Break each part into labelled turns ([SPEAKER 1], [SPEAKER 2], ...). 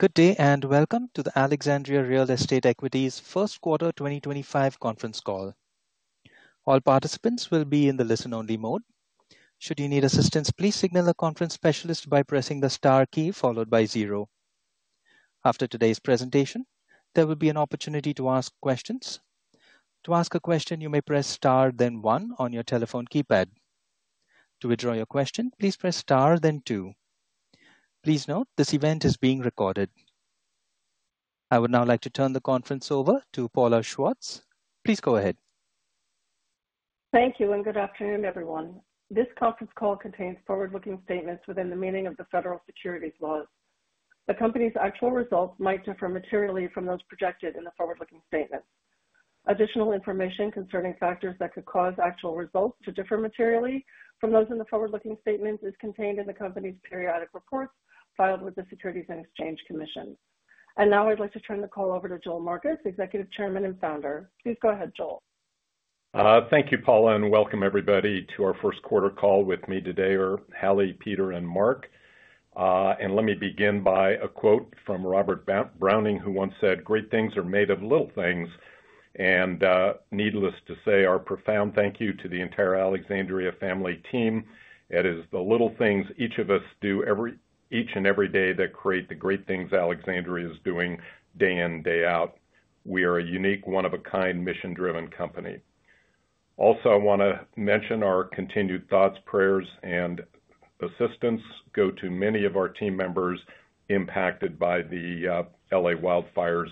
[SPEAKER 1] Good day and welcome to the Alexandria Real Estate Equities First Quarter 2025 conference call. All participants will be in the listen-only mode. Should you need assistance, please signal a conference specialist by pressing the * key followed by zero. After today's presentation, there will be an opportunity to ask questions. To ask a question, you may press *, then one on your telephone keypad. To withdraw your question, please press *, then two. Please note this event is being recorded. I would now like to turn the conference over to Paula Schwartz. Please go ahead.
[SPEAKER 2] Thank you and good afternoon, everyone. This conference call contains forward-looking statements within the meaning of the federal securities laws. The company's actual results might differ materially from those projected in the forward-looking statements. Additional information concerning factors that could cause actual results to differ materially from those in the forward-looking statements is contained in the company's periodic reports filed with the Securities and Exchange Commission. I would like to turn the call over to Joel Marcus, Executive Chairman and Founder. Please go ahead, Joel.
[SPEAKER 3] Thank you, Paula, and welcome everybody to our first quarter call. With me Hallie Kuhn, SVP of Life Science and Capital Markets, Peter Moglia. Moglia, and Marc Binda. Let me begin by a quote from Robert Browning, who once said, "Great things are made of little things." Needless to say, our profound thank you to the entire Alexandria family team. It is the little things each of us do each and every day that create the great things Alexandria is doing day in, day out. We are a unique, one-of-a-kind, mission-driven company. Also, I want to mention our continued thoughts, prayers, and assistance go to many of our team members impacted by the LA wildfires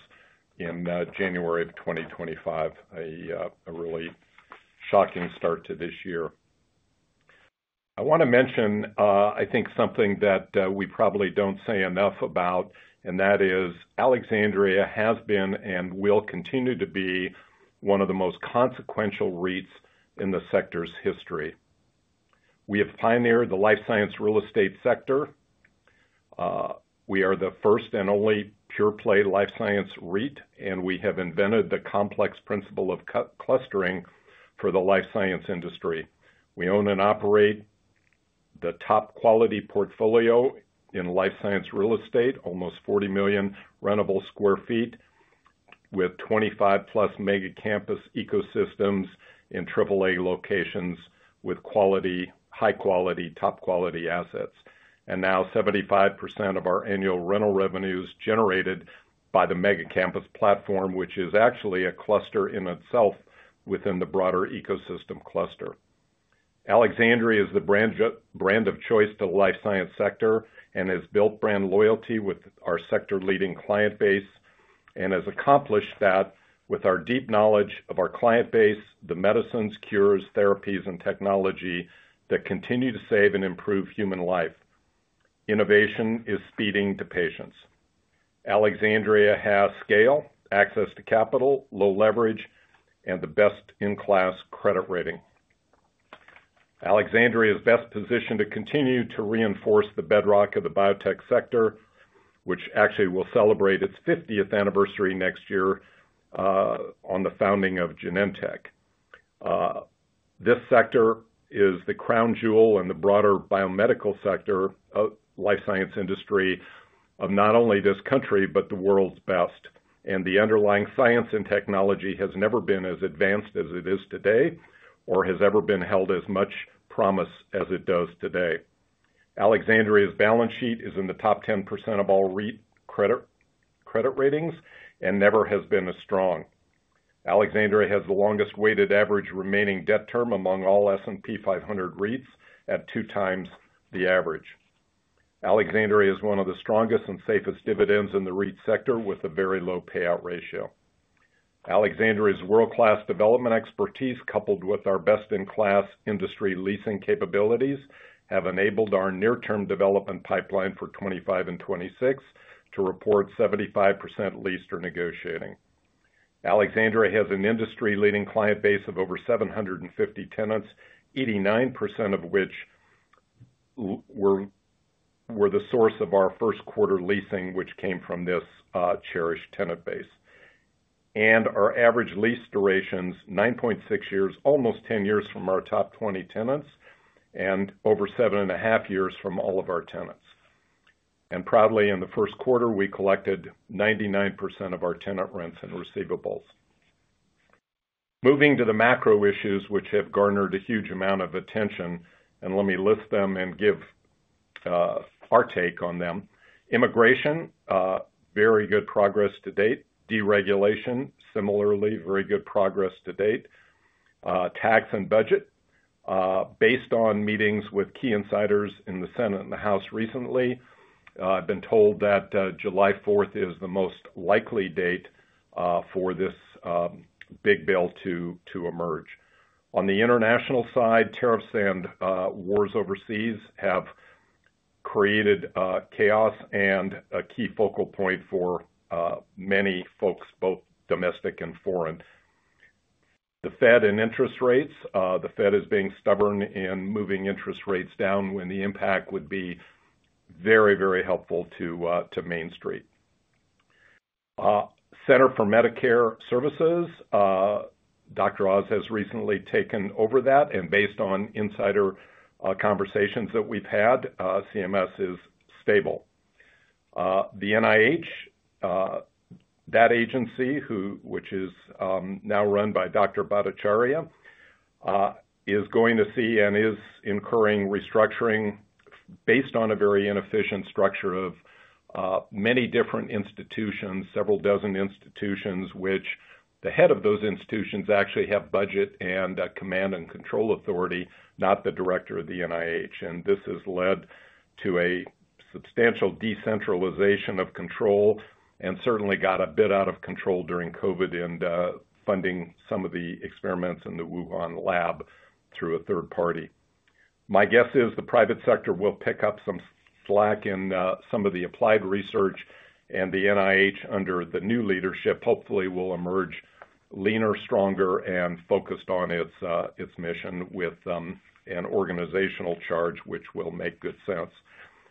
[SPEAKER 3] in January of 2025, a really shocking start to this year. I want to mention, I think, something that we probably do not say enough about, and that is Alexandria has been and will continue to be one of the most consequential REITs in the sector's history. We have pioneered the life science real estate sector. We are the first and only pure-play life science REIT, and we have invented the complex principle of clustering for the life science industry. We own and operate the top quality portfolio in life science real estate, almost 40 million rentable sq ft, with 25-plus mega campus ecosystems in AAA locations with quality, high-quality, top-quality assets. Now 75% of our annual rental revenues are generated by the Mega Campus platform, which is actually a cluster in itself within the broader ecosystem cluster. Alexandria is the brand of choice to the life science sector and has built brand loyalty with our sector-leading client base and has accomplished that with our deep knowledge of our client base, the medicines, cures, therapies, and technology that continue to save and improve human life. Innovation is speeding to patients. Alexandria has scale, access to capital, low leverage, and the best-in-class credit rating. Alexandria is best positioned to continue to reinforce the bedrock of the biotech sector, which actually will celebrate its 50th anniversary next year on the founding of Genentech. This sector is the crown jewel in the broader biomedical sector, life science industry of not only this country, but the world's best. The underlying science and technology has never been as advanced as it is today or has ever been held as much promise as it does today. Alexandria's balance sheet is in the top 10% of all REIT credit ratings and never has been as strong. Alexandria has the longest weighted average remaining debt term among all S&P 500 REITs at two times the average. Alexandria is one of the strongest and safest dividends in the REIT sector with a very low payout ratio. Alexandria's world-class development expertise, coupled with our best-in-class industry leasing capabilities, have enabled our near-term development pipeline for 2025 and 2026 to report 75% lease or negotiating. Alexandria has an industry-leading client base of over 750 tenants, 89% of which were the source of our first quarter leasing, which came from this cherished tenant base. Our average lease duration's 9.6 years, almost 10 years from our top 20 tenants and over seven and a half years from all of our tenants. Proudly, in the first quarter, we collected 99% of our tenant rents and receivables. Moving to the macro issues, which have garnered a huge amount of attention, let me list them and give our take on them. Immigration, very good progress to date. Deregulation, similarly, very good progress to date. Tax and budget, based on meetings with key insiders in the Senate and the House recently, I have been told that July 4th is the most likely date for this big bill to emerge. On the international side, tariffs and wars overseas have created chaos and a key focal point for many folks, both domestic and foreign. The Fed and interest rates, the Fed is being stubborn in moving interest rates down when the impact would be very, very helpful to Main Street. Centers for Medicare & Medicaid Services, Dr. Mehmet Oz (CMS Administrator) has recently taken over that, and based on insider conversations that we've had, CMS is stable. The NIH, that agency, which is now run by Dr. Jay Bhattacharya, is going to see and is incurring restructuring based on a very inefficient structure of many different institutions, several dozen institutions, which the head of those institutions actually have budget and command and control authority, not the director of the NIH. This has led to a substantial decentralization of control and certainly got a bit out of control during COVID and funding some of the experiments in the Wuhan lab through a third party. My guess is the private sector will pick up some slack in some of the applied research, and the NIH, under the new leadership, hopefully will emerge leaner, stronger, and focused on its mission with an organizational charge, which will make good sense.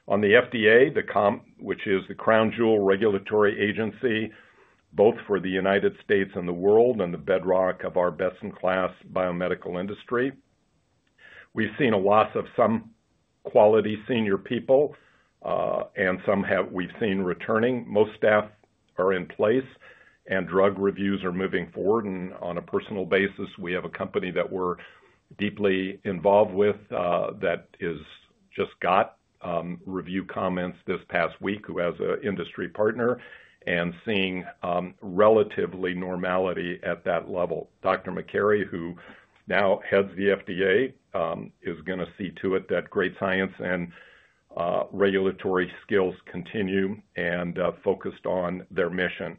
[SPEAKER 3] On the FDA, which is the crown jewel regulatory agency, both for the U.S., and the world, and the bedrock of our best-in-class biomedical industry. We've seen a loss of some quality senior people, and some have we've seen returning. Most staff are in place, and drug reviews are moving forward. On a personal basis, we have a company that we're deeply involved with that just got review comments this past week who has an industry partner and seeing relatively normality at that level. Dr. Martin Makary, who now heads the FDA, is going to see to it that great science and regulatory skills continue and focused on their mission.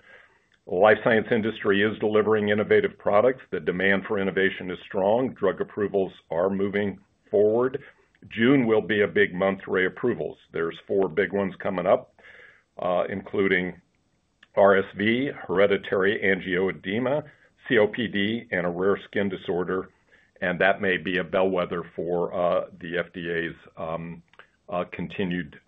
[SPEAKER 3] Life science industry is delivering innovative products. The demand for innovation is strong. Drug approvals are moving forward. June will be a big month for approvals. There's four big ones coming up, including RSV, hereditary angioedema, COPD, and a rare skin disorder. That may be a bellwether for the FDA's continued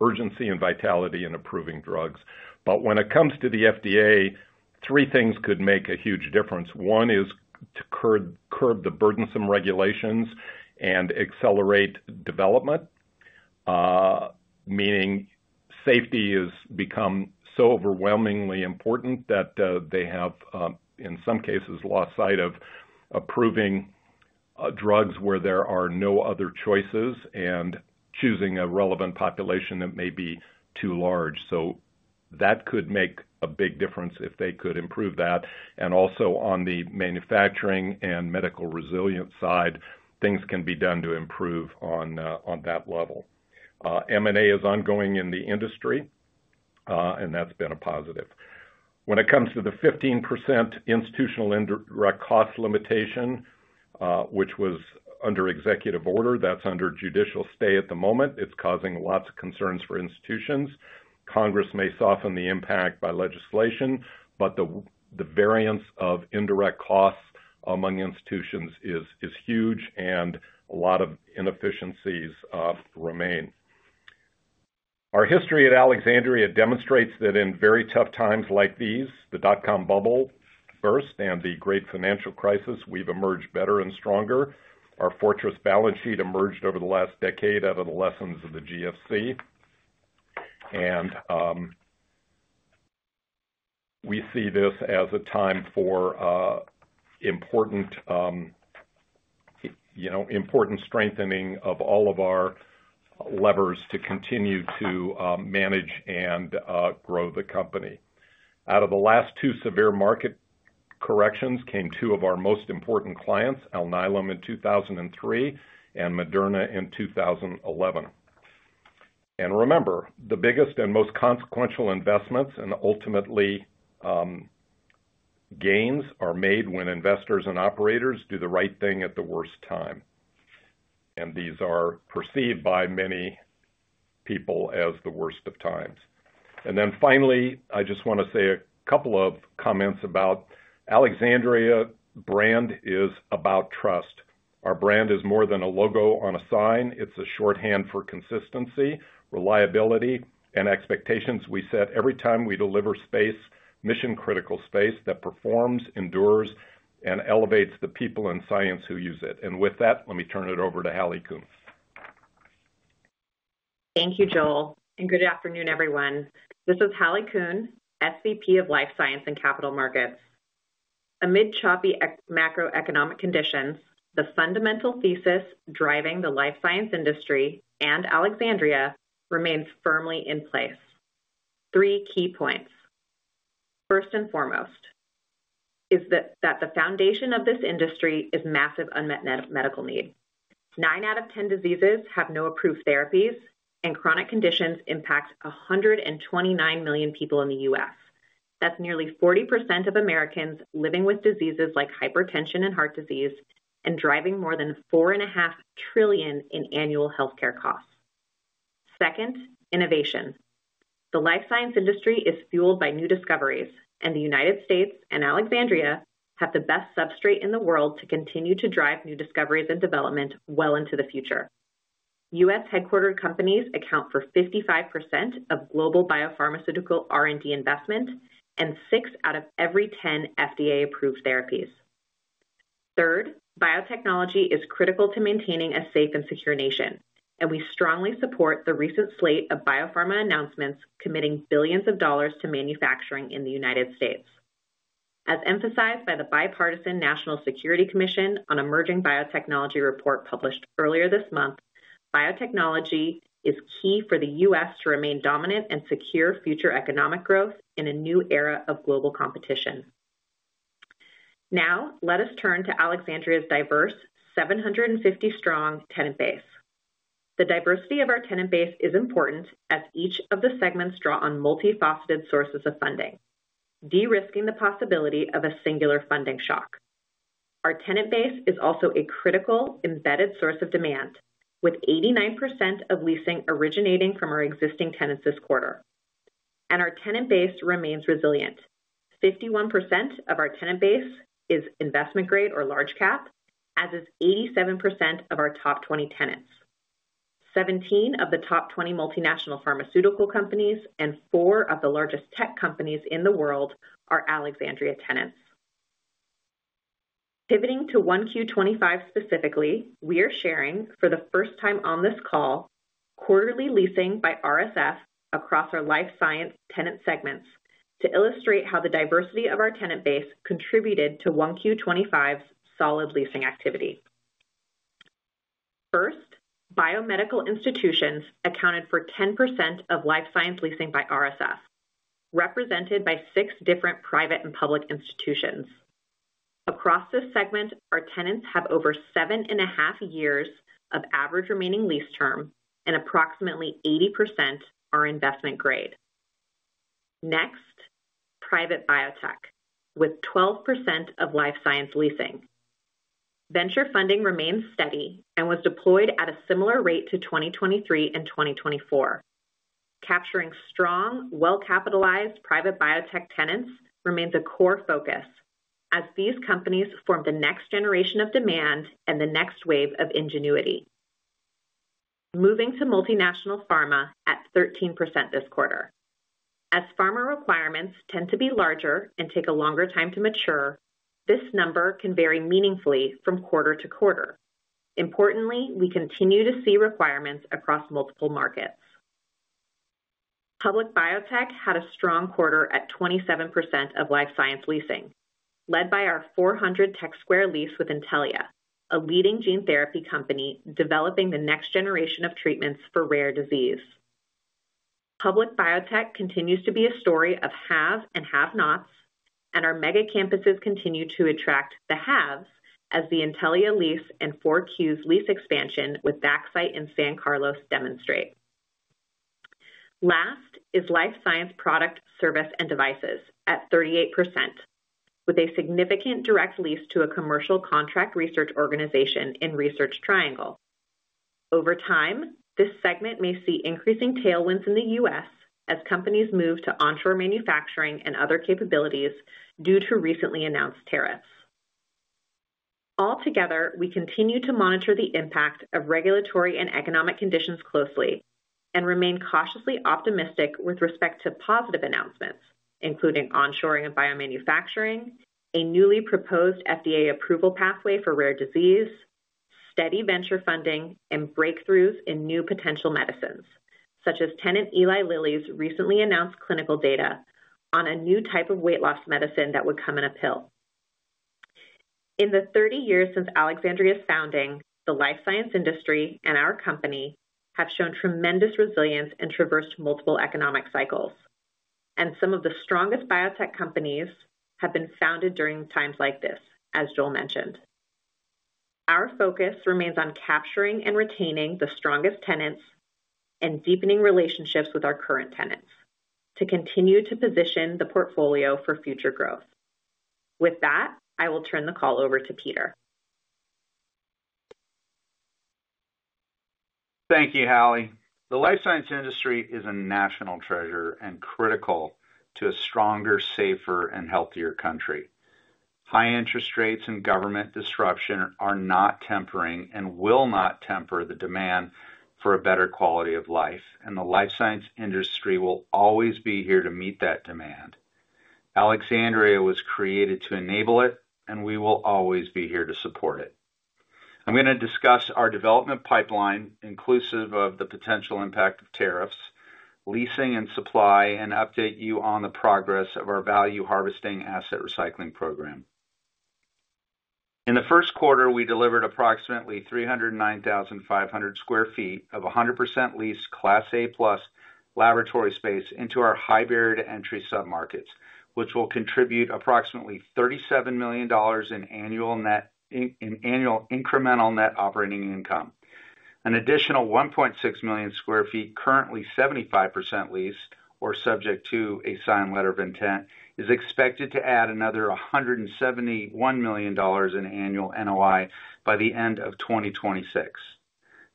[SPEAKER 3] urgency and vitality in approving drugs. When it comes to the FDA, three things could make a huge difference. One is to curb the burdensome regulations and accelerate development, meaning safety has become so overwhelmingly important that they have, in some cases, lost sight of approving drugs where there are no other choices and choosing a relevant population that may be too large. That could make a big difference if they could improve that. Also, on the manufacturing and medical resilience side, things can be done to improve on that level. M&A is ongoing in the industry, and that's been a positive. When it comes to the 15% institutional indirect cost limitation, which was under executive order, that's under judicial stay at the moment. It's causing lots of concerns for institutions. Congress may soften the impact by legislation, but the variance of indirect costs among institutions is huge, and a lot of inefficiencies remain. Our history at Alexandria demonstrates that in very tough times like these, the dot-com bubble burst and the great financial crisis, we've emerged better and stronger. Our fortress balance sheet emerged over the last decade out of the lessons of the GFC. And we see this as a time for important strengthening of all of our levers to continue to manage and grow the company. Out of the last two severe market corrections came two of our most important clients, Alnylam in 2003 and Moderna in 2011. Remember, the biggest and most consequential investments and ultimately gains are made when investors and operators do the right thing at the worst time. These are perceived by many people as the worst of times. Finally, I just want to say a couple of comments about Alexandria brand is about trust. Our brand is more than a logo on a sign. It is a shorthand for consistency, reliability, and expectations we set every time we deliver space, mission-critical space that performs, endures, and elevates the people and science who use it. With that, let me turn it over to Hallie Kuhn, SVP of Life Science and Capital Markets.
[SPEAKER 4] Thank you, Joel. Good afternoon, everyone. This is Hallie Kuhn, SVP of Life Science and Capital Markets, SVP of Life Science and Capital Markets. Amid choppy macroeconomic conditions, the fundamental thesis driving the life science industry and Alexandria remains firmly in place. Three key points. First and foremost is that the foundation of this industry is massive unmet medical need. Nine out of ten diseases have no approved therapies, and chronic conditions impact 129 million people in the U.S. That's nearly 40% of Americans living with diseases like hypertension and heart disease and driving more than $4.5 trillion in annual healthcare costs. Second, innovation. The life science industry is fueled by new discoveries, and the United States and Alexandria have the best substrate in the world to continue to drive new discoveries and development well into the future. U.S. Headquartered companies account for 55% of global biopharmaceutical R&D investment and six out of every ten FDA-approved therapies. Third, biotechnology is critical to maintaining a safe and secure nation, and we strongly support the recent slate of biopharma announcements committing billions of dollars to manufacturing in the United States. As emphasized by the bipartisan National Security Commission on Emerging Biotechnology report published earlier this month, biotechnology is key for the U.S., to remain dominant and secure future economic growth in a new era of global competition. Now, let us turn to Alexandria's diverse, 750-strong tenant base. The diversity of our tenant base is important as each of the segments draw on multifaceted sources of funding, de-risking the possibility of a singular funding shock. Our tenant base is also a critical embedded source of demand, with 89% of leasing originating from our existing tenants this quarter. Our tenant base remains resilient. 51% of our tenant base is investment-grade or large cap, as is 87% of our top 20 tenants. 17 of the top 20 multinational pharmaceutical companies and four of the largest tech companies in the world are Alexandria tenants. Pivoting to 1Q25 specifically, we are sharing for the first time on this call quarterly leasing by RSF across our life science tenant segments to illustrate how the diversity of our tenant base contributed to 1Q25's solid leasing activity. First, biomedical institutions accounted for 10% of life science leasing by RSF, represented by six different private and public institutions. Across this segment, our tenants have over seven and a half years of average remaining lease term, and approximately 80% are investment-grade. Next, private biotech, with 12% of life science leasing. Venture funding remains steady and was deployed at a similar rate to 2023 and 2024. Capturing strong, well-capitalized private biotech tenants remains a core focus as these companies form the next generation of demand and the next wave of ingenuity. Moving to multinational pharma at 13% this quarter. As pharma requirements tend to be larger and take a longer time to mature, this number can vary meaningfully from quarter to quarter. Importantly, we continue to see requirements across multiple markets. Public biotech had a strong quarter at 27% of life science leasing, led by our 400 Tech Square lease with Intellia, a leading gene therapy company developing the next generation of treatments for rare disease. Public biotech continues to be a story of haves and have-nots, and our mega campuses continue to attract the haves as the Intellia lease and 4Q's lease expansion with Vaxcyte in San Carlos demonstrate. Last is life science product, service, and devices at 38%, with a significant direct lease to a commercial contract research organization in Research Triangle. Over time, this segment may see increasing tailwinds in the U.S., as companies move to onshore manufacturing and other capabilities due to recently announced tariffs. Altogether, we continue to monitor the impact of regulatory and economic conditions closely and remain cautiously optimistic with respect to positive announcements, including onshoring of biomanufacturing, a newly proposed FDA approval pathway for rare disease, steady venture funding, and breakthroughs in new potential medicines, such as tenant Eli Lilly's recently announced clinical data on a new type of weight loss medicine that would come in a pill. In the 30 years since Alexandria's founding, the life science industry and our company have shown tremendous resilience and traversed multiple economic cycles. Some of the strongest biotech companies have been founded during times like this, as Joel mentioned. Our focus remains on capturing and retaining the strongest tenants and deepening relationships with our current tenants to continue to position the portfolio for future growth. With that, I will turn the call over to Peter Moglia.
[SPEAKER 5] Thank you, Hallie, SVP of Life Science and Capital Markets. The life science industry is a national treasure and critical to a stronger, safer, and healthier country. High interest rates and government disruption are not tempering and will not temper the demand for a better quality of life. The life science industry will always be here to meet that demand. Alexandria was created to enable it, and we will always be here to support it. I'm going to discuss our development pipeline, inclusive of the potential impact of tariffs, leasing and supply, and update you on the progress of our value harvesting asset recycling program. In the first quarter, we delivered approximately 309,500 sq ft of 100% leased Class A-plus laboratory space into our high barrier to entry submarkets, which will contribute approximately $37 million in annual incremental net operating income. An additional 1.6 million sq ft, currently 75% leased or subject to a signed letter of intent, is expected to add another $171 million in annual NOI by the end of 2026.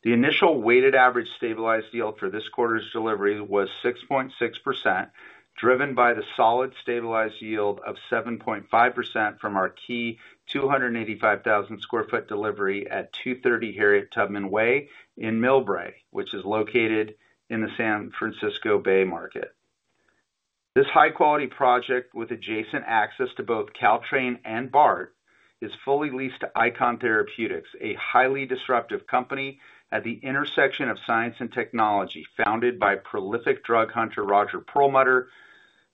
[SPEAKER 5] The initial weighted average stabilized yield for this quarter's delivery was 6.6%, driven by the solid stabilized yield of 7.5% from our key 285,000 sq ft delivery at 230 Harriet Tubman Way in Millbrae, which is located in the San Francisco Bay Market. This high-quality project with adjacent access to both Caltrain ICON, a highly disruptive company at the intersection of science and technology founded by prolific drug hunter Roger Perlmutter,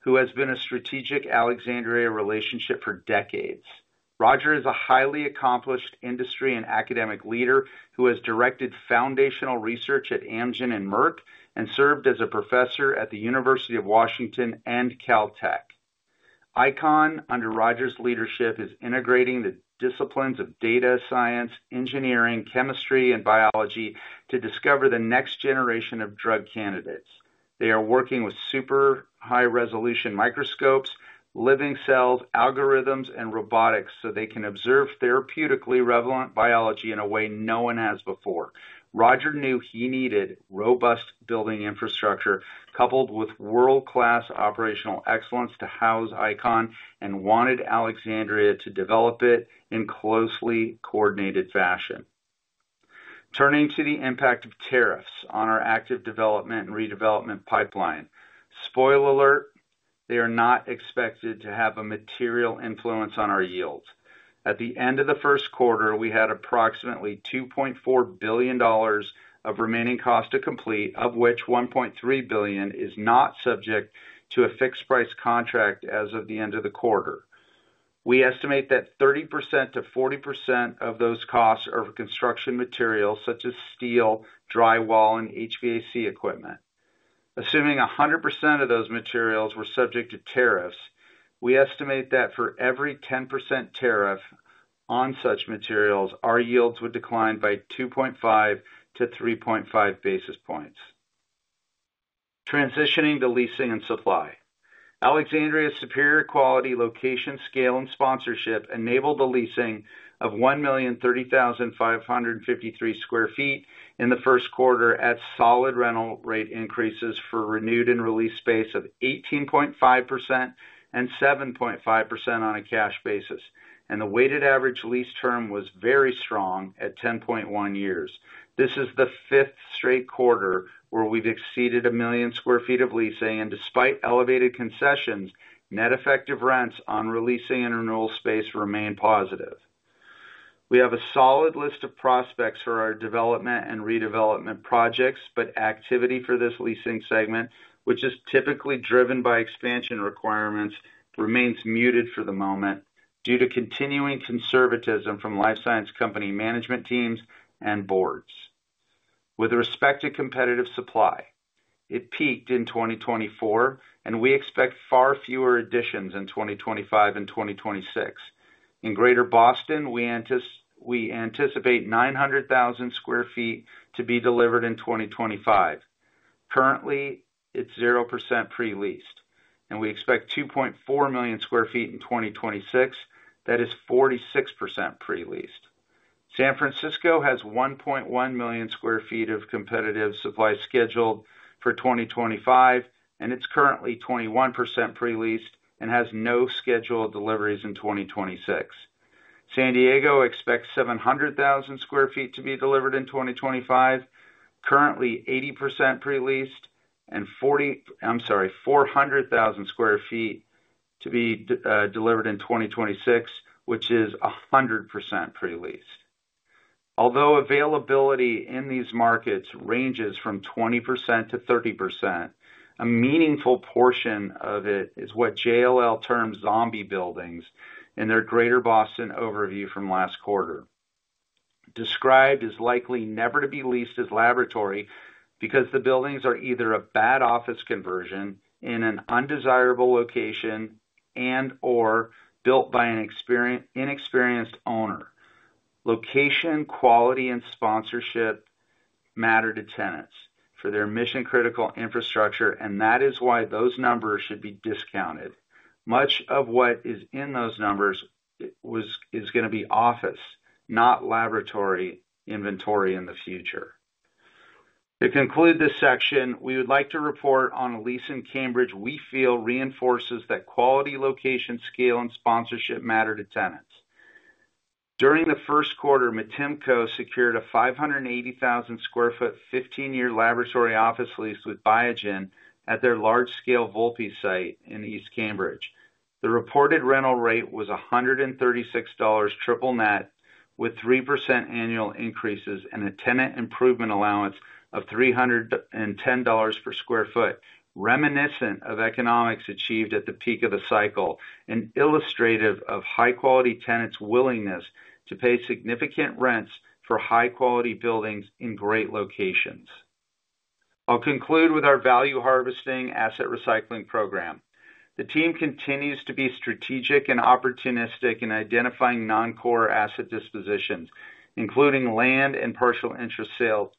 [SPEAKER 5] who has been a strategic Alexandria relationship for decades. Roger is a highly accomplished industry and academic leader who has directed foundational research at Amgen and Merck and served as a professor at the University of Washington and Caltech. ICON, under Roger's leadership, is integrating the disciplines of data science, engineering, chemistry, and biology to discover the next generation of drug candidates. They are working with super high-resolution microscopes, living cells, algorithms, and robotics so they can observe therapeutically relevant biology in a way no one has before. Roger knew he needed robust building infrastructure coupled with world-class operational excellence to house ICON and wanted Alexandria to develop it in closely coordinated fashion. Turning to the impact of tariffs on our active development and redevelopment pipeline. Spoiler alert, they are not expected to have a material influence on our yields. At the end of the first quarter, we had approximately $2.4 billion of remaining cost to complete, of which $1.3 billion is not subject to a fixed-price contract as of the end of the quarter. We estimate that 30%-40% of those costs are for construction materials such as steel, drywall, and HVAC equipment. Assuming 100% of those materials were subject to tariffs, we estimate that for every 10% tariff on such materials, our yields would decline by 2.5 to 3.5 basis points. Transitioning to leasing and supply. Alexandria's superior quality, location, scale, and sponsorship enabled the leasing of 1,030,553 sq ft in the first quarter at solid rental rate increases for renewed and released space of 18.5% and 7.5% on a cash basis. The weighted average lease term was very strong at 10.1 years. This is the fifth straight quarter where we've exceeded a million sq ft of leasing, and despite elevated concessions, net effective rents on releasing and renewal space remain positive. We have a solid list of prospects for our development and redevelopment projects, but activity for this leasing segment, which is typically driven by expansion requirements, remains muted for the moment due to continuing conservatism from life science company management teams and boards. With respect to competitive supply, it peaked in 2024, and we expect far fewer additions in 2025 and 2026. In Greater Boston, we anticipate 900,000 sq ft to be delivered in 2025. Currently, it's 0% pre-leased, and we expect 2.4 million sq ft in 2026. That is 46% pre-leased. San Francisco has 1.1 million sq ft of competitive supply scheduled for 2025, and it's currently 21% pre-leased and has no scheduled deliveries in 2026. San Diego expects 700,000 sq ft to be delivered in 2025, currently 80% pre-leased, and 400,000 sq ft to be delivered in 2026, which is 100% pre-leased. Although availability in these markets ranges from 20% to 30%, a meaningful portion of it is what JLL termed zombie buildings in their Greater Boston overview from last quarter. Described as likely never to be leased as laboratory because the buildings are either a bad office conversion in an undesirable location and/or built by an inexperienced owner. Location, quality, and sponsorship matter to tenants for their mission-critical infrastructure, and that is why those numbers should be discounted. Much of what is in those numbers is going to be office, not laboratory inventory in the future. To conclude this section, we would like to report on a lease in Cambridge we feel reinforces that quality, location, scale, and sponsorship matter to tenants. During the first quarter, Alexandria Real Estate Equities secured a 580,000 sq ft, 15-year laboratory office lease with Biogen at their large-scale Volpe site in East Cambridge. The reported rental rate was $136 triple net, with 3% annual increases and a tenant improvement allowance of $310 per sq ft, reminiscent of economics achieved at the peak of the cycle and illustrative of high-quality tenants' willingness to pay significant rents for high-quality buildings in great locations. I'll conclude with our value harvesting asset recycling program. The team continues to be strategic and opportunistic in identifying non-core asset dispositions, including land and partial interest sales,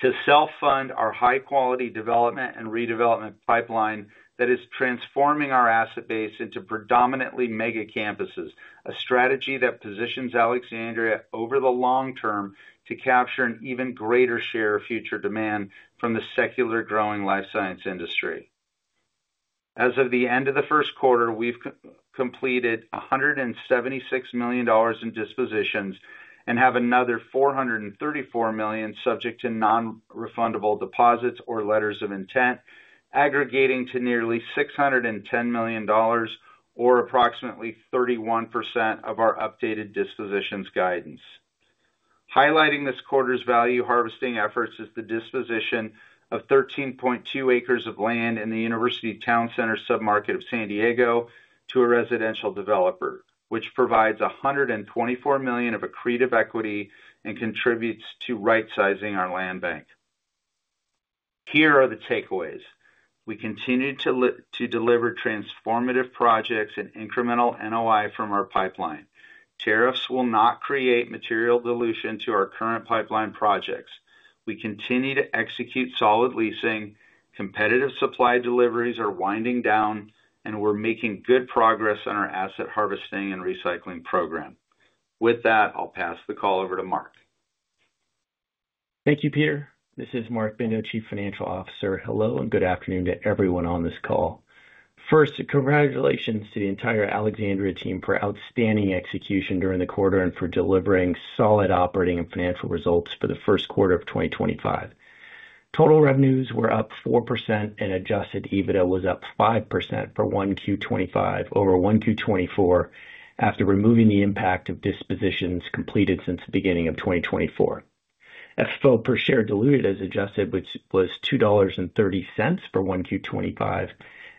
[SPEAKER 5] to self-fund our high-quality development and redevelopment pipeline that is transforming our asset base into predominantly mega campuses, a strategy that positions Alexandria over the long term to capture an even greater share of future demand from the secular growing life science industry. As of the end of the first quarter, we've completed $176 million in dispositions and have another $434 million subject to non-refundable deposits or letters of intent, aggregating to nearly $610 million or approximately 31% of our updated dispositions guidance. Highlighting this quarter's value harvesting efforts is the disposition of 13.2 acres of land in the University Town Center submarket of San Diego to a residential developer, which provides $124 million of accretive equity and contributes to rightsizing our land bank. Here are the takeaways. We continue to deliver transformative projects and incremental NOI from our pipeline. Tariffs will not create material dilution to our current pipeline projects. We continue to execute solid leasing. Competitive supply deliveries are winding down, and we're making good progress on our asset harvesting and recycling program. With that, I'll pass the call over to Marc.
[SPEAKER 6] Thank you, Peter Moglia.. This is Marc Binda, Chief Financial Officer. Hello and good afternoon to everyone on this call. First, congratulations to the entire Alexandria team for outstanding execution during the quarter and for delivering solid operating and financial results for the first quarter of 2025. Total revenues were up 4%, and adjusted EBITDA was up 5% for 1Q25 over 1Q24 after removing the impact of dispositions completed since the beginning of 2024. FFO per share diluted as adjusted, which was $2.30 for 1Q25.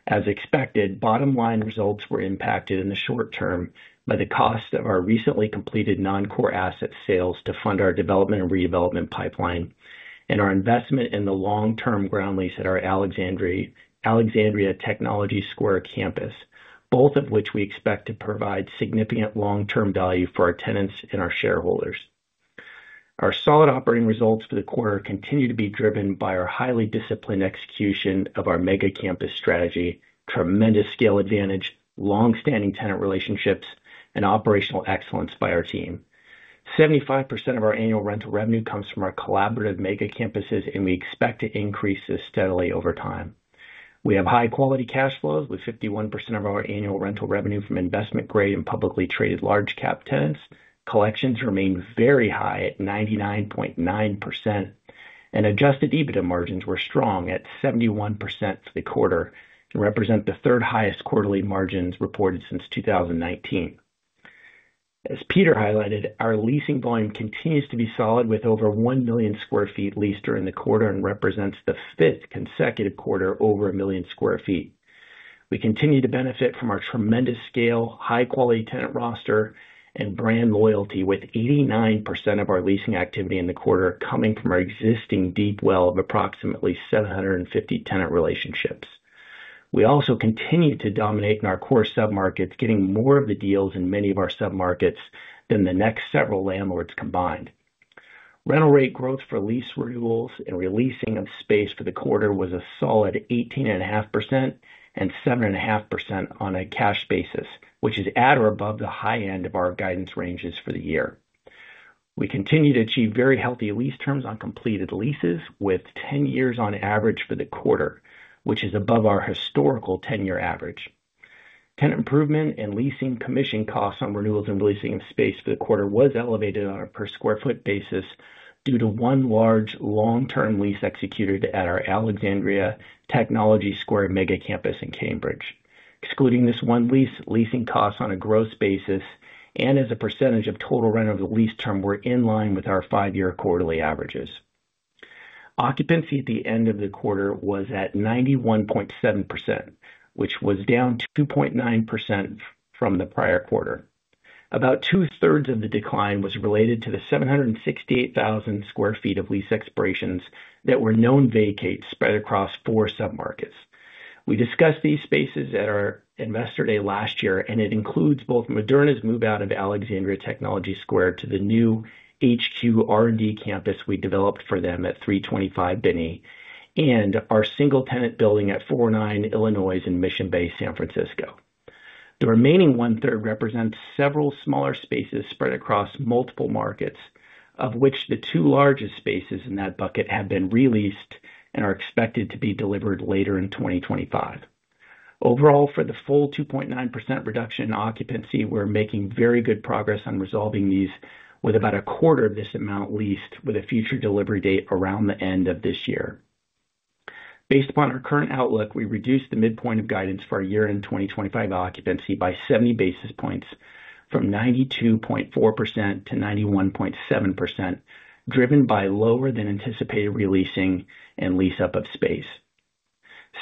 [SPEAKER 6] As expected, bottom-line results were impacted in the short term by the cost of our recently completed non-core asset sales to fund our development and redevelopment pipeline and our investment in the long-term ground lease at our Alexandria Technology Square campus, both of which we expect to provide significant long-term value for our tenants and our shareholders. Our solid operating results for the quarter continue to be driven by our highly disciplined execution of our mega campus strategy, tremendous scale advantage, long-standing tenant relationships, and operational excellence by our team. 75% of our annual rental revenue comes from our collaborative mega campuses, and we expect to increase this steadily over time. We have high-quality cash flows with 51% of our annual rental revenue from investment-grade and publicly traded large-cap tenants. Collections remain very high at 99.9%, and adjusted EBITDA margins were strong at 71% for the quarter and represent the third highest quarterly margins reported since 2019. As Peter Moglia. highlighted, our leasing volume continues to be solid with over 1 million sq ft leased during the quarter and represents the fifth consecutive quarter over a 1 million sq ft. We continue to benefit from our tremendous scale, high-quality tenant roster, and brand loyalty, with 89% of our leasing activity in the quarter coming from our existing deep well of approximately 750 tenant relationships. We also continue to dominate in our core submarkets, getting more of the deals in many of our submarkets than the next several landlords combined. Rental rate growth for lease renewals and releasing of space for the quarter was a solid 18.5% and 7.5% on a cash basis, which is at or above the high end of our guidance ranges for the year. We continue to achieve very healthy lease terms on completed leases with 10 years on average for the quarter, which is above our historical 10-year average. Tenant improvement and leasing commission costs on renewals and releasing of space for the quarter was elevated on a per square foot basis due to one large long-term lease executed at our Alexandria Technology Square mega Campus in Cambridge. Excluding this one lease, leasing costs on a gross basis and as a percentage of total rental of the lease term were in line with our five-year quarterly averages. Occupancy at the end of the quarter was at 91.7%, which was down 2.9% from the prior quarter. About two-thirds of the decline was related to the 768,000 sq ft of lease expirations that were known vacates spread across four submarkets. We discussed these spaces at our investor day last year, and it includes both Moderna's move-out of Alexandria Technology Square to the new HQ R&D campus we developed for them at 325 Binney and our single-tenant building at 409 Illinois in Mission Bay, San Francisco. The remaining one-third represents several smaller spaces spread across multiple markets, of which the two largest spaces in that bucket have been re-leased and are expected to be delivered later in 2025. Overall, for the full 2.9% reduction in occupancy, we're making very good progress on resolving these with about a quarter of this amount leased, with a future delivery date around the end of this year. Based upon our current outlook, we reduced the midpoint of guidance for our year-end 2025 occupancy by 70 basis points from 92.4% to 91.7%, driven by lower-than-anticipated releasing and lease-up of space.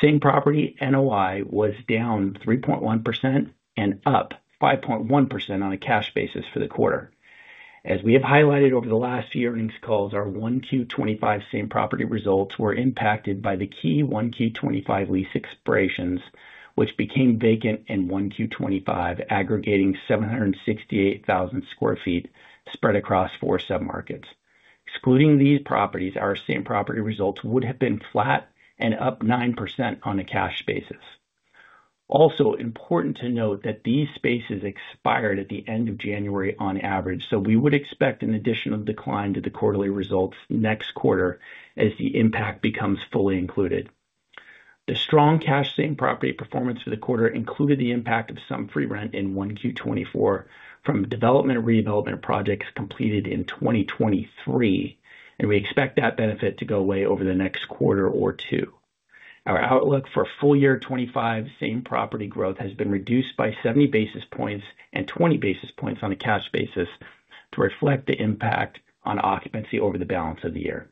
[SPEAKER 6] Same property NOI was down 3.1% and up 5.1% on a cash basis for the quarter. As we have highlighted over the last few earnings calls, our 1Q25 same property results were impacted by the key 1Q25 lease expirations, which became vacant in 1Q25, aggregating 768,000 sq ft spread across four submarkets. Excluding these properties, our same property results would have been flat and up 9% on a cash basis. Also, important to note that these spaces expired at the end of January on average, so we would expect an additional decline to the quarterly results next quarter as the impact becomes fully included. The strong cash same property performance for the quarter included the impact of some free rent in 1Q24 from development and redevelopment projects completed in 2023, and we expect that benefit to go away over the next quarter or two. Our outlook for full year 2025 same property growth has been reduced by 70 basis points and 20 basis points on a cash basis to reflect the impact on occupancy over the balance of the year.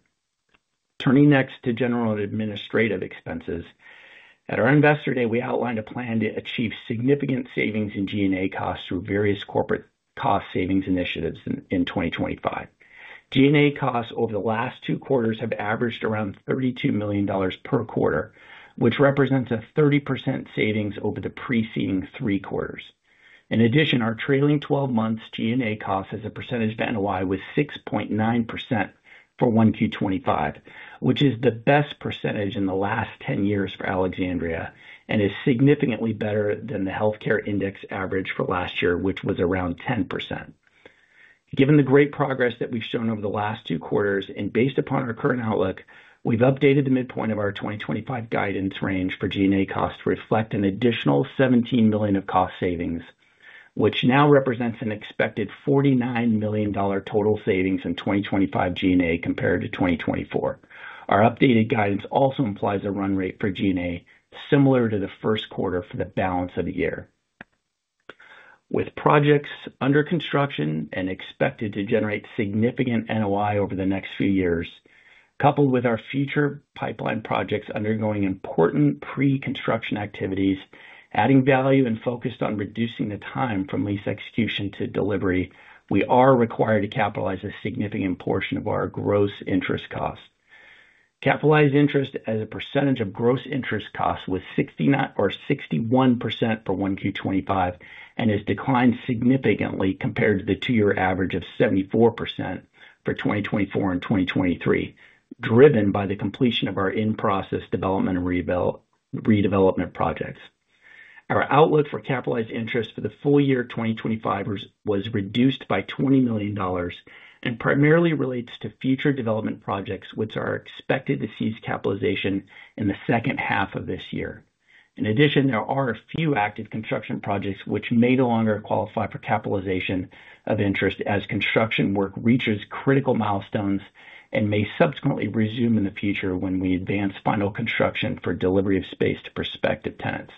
[SPEAKER 6] Turning next to general and administrative expenses. At our investor day, we outlined a plan to achieve significant savings in G&A costs through various corporate cost savings initiatives in 2025. G&A costs over the last two quarters have averaged around $32 million per quarter, which represents a 30% savings over the preceding three quarters. In addition, our trailing 12 months G&A cost as a percentage of NOI was 6.9% for 1Q 2025, which is the best percentage in the last 10 years for Alexandria and is significantly better than the healthcare index average for last year, which was around 10%. Given the great progress that we've shown over the last two quarters, and based upon our current outlook, we've updated the midpoint of our 2025 guidance range for G&A cost to reflect an additional $17 million of cost savings, which now represents an expected $49 million total savings in 2025 G&A compared to 2024. Our updated guidance also implies a run rate for G&A similar to the first quarter for the balance of the year. With projects under construction and expected to generate significant NOI over the next few years, coupled with our future pipeline projects undergoing important pre-construction activities, adding value and focused on reducing the time from lease execution to delivery, we are required to capitalize a significant portion of our gross interest cost. Capitalized interest as a percentage of gross interest cost was 69 or 61% for 1Q25 and has declined significantly compared to the two-year average of 74% for 2024 and 2023, driven by the completion of our in-process development and redevelopment projects. Our outlook for capitalized interest for the full year 2025 was reduced by $20 million and primarily relates to future development projects, which are expected to cease capitalization in the second half of this year. In addition, there are a few active construction projects which may no longer qualify for capitalization of interest as construction work reaches critical milestones and may subsequently resume in the future when we advance final construction for delivery of space to prospective tenants.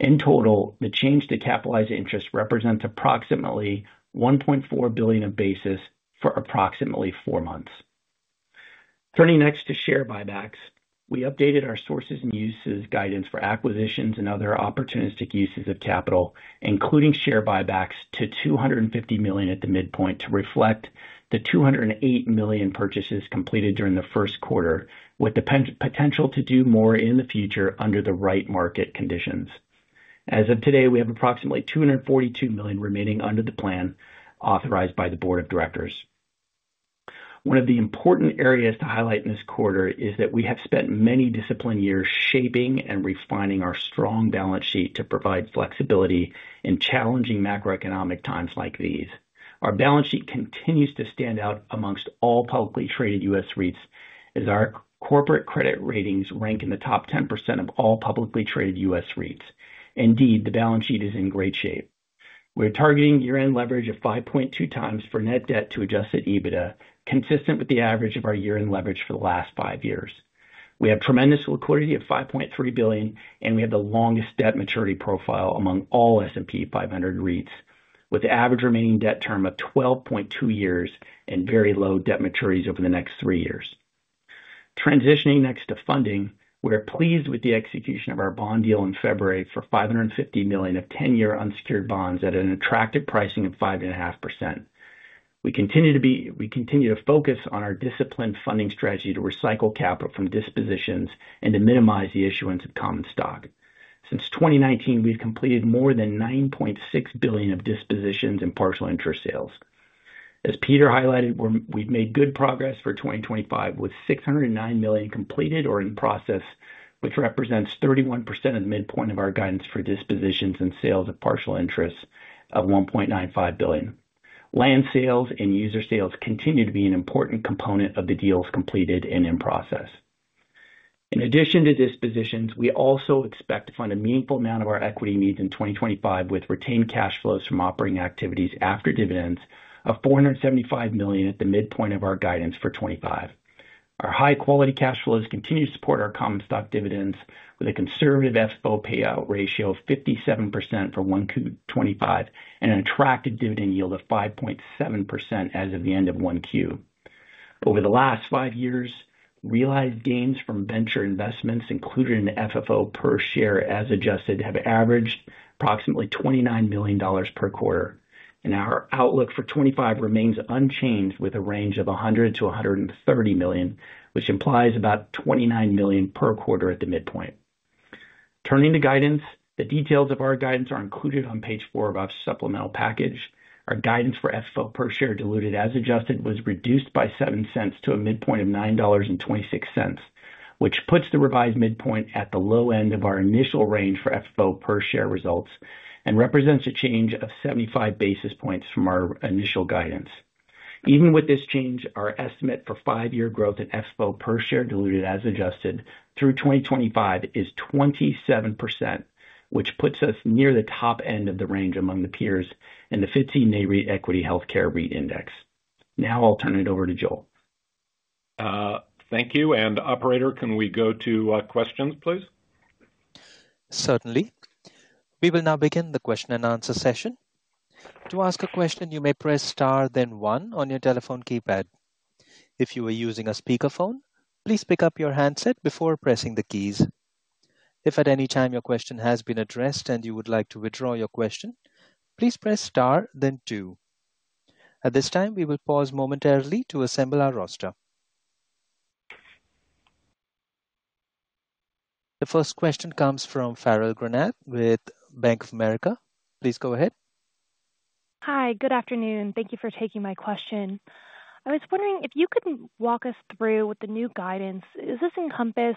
[SPEAKER 6] In total, the change to capitalized interest represents approximately $1.4 billion of basis for approximately four months. Turning next to share buybacks, we updated our sources and uses guidance for acquisitions and other opportunistic uses of capital, including share buybacks to $250 million at the midpoint to reflect the $208 million purchases completed during the first quarter, with the potential to do more in the future under the right market conditions. As of today, we have approximately $242 million remaining under the plan authorized by the Board of Directors. One of the important areas to highlight in this quarter is that we have spent many disciplined years shaping and refining our strong balance sheet to provide flexibility in challenging macroeconomic times like these. Our balance sheet continues to stand out amongst all publicly traded U.S. REITs as our corporate credit ratings rank in the top 10% of all publicly traded U.S. REITs. Indeed, the balance sheet is in great shape. We're targeting year-end leverage of 5.2 times for net debt to adjusted EBITDA, consistent with the average of our year-end leverage for the last five years. We have tremendous liquidity of $5.3 billion, and we have the longest debt maturity profile among all S&P 500 REITs, with the average remaining debt term of 12.2 years and very low debt maturities over the next three years. Transitioning next to funding, we're pleased with the execution of our bond deal in February for $550 million of 10-year unsecured bonds at an attractive pricing of 5.5%. We continue to focus on our disciplined funding strategy to recycle capital from dispositions and to minimize the issuance of common stock. Since 2019, we've completed more than $9.6 billion of dispositions and partial interest sales. As Peter Moglia. highlighted, we've made good progress for 2025 with $609 million completed or in process, which represents 31% of the midpoint of our guidance for dispositions and sales of partial interest of $1.95 billion. Land sales and user sales continue to be an important component of the deals completed and in process. In addition to dispositions, we also expect to fund a meaningful amount of our equity needs in 2025 with retained cash flows from operating activities after dividends of $475 million at the midpoint of our guidance for 2025. Our high-quality cash flows continue to support our common stock dividends with a conservative FFO payout ratio of 57% for 1Q25 and an attractive dividend yield of 5.7% as of the end of 1Q. Over the last five years, realized gains from venture investments included in the FFO per share as adjusted have averaged approximately $29 million per quarter. Our outlook for 2025 remains unchanged with a range of $100 million-$130 million, which implies about $29 million per quarter at the midpoint. Turning to guidance, the details of our guidance are included on page four of our supplemental package. Our guidance for FFO per share diluted as adjusted was reduced by $0.07 to a midpoint of $9.26, which puts the revised midpoint at the low end of our initial range for FFO per share results and represents a change of 75 basis points from our initial guidance. Even with this change, our estimate for five-year growth in FFO per share diluted as adjusted through 2025 is 27%, which puts us near the top end of the range among the peers in the FTSE Nareit Equity Healthcare REIT Index. Now I'll turn it over to Joel.
[SPEAKER 3] Thank you. Operator, can we go to questions, please? Certainly.
[SPEAKER 1] We will now begin the question and answer session. To ask a question, you may press, then One on your telephone keypad. If you are using a speakerphone, please pick up your handset before pressing the keys. If at any time your question has been addressed and you would like to withdraw your question, please press *, then Two. At this time, we will pause momentarily to assemble our roster. The first question comes from Farrell Granath with Bank of America. Please go ahead.
[SPEAKER 7] Hi, good afternoon. Thank you for taking my question. I was wondering if you could walk us through with the new guidance. Does this encompass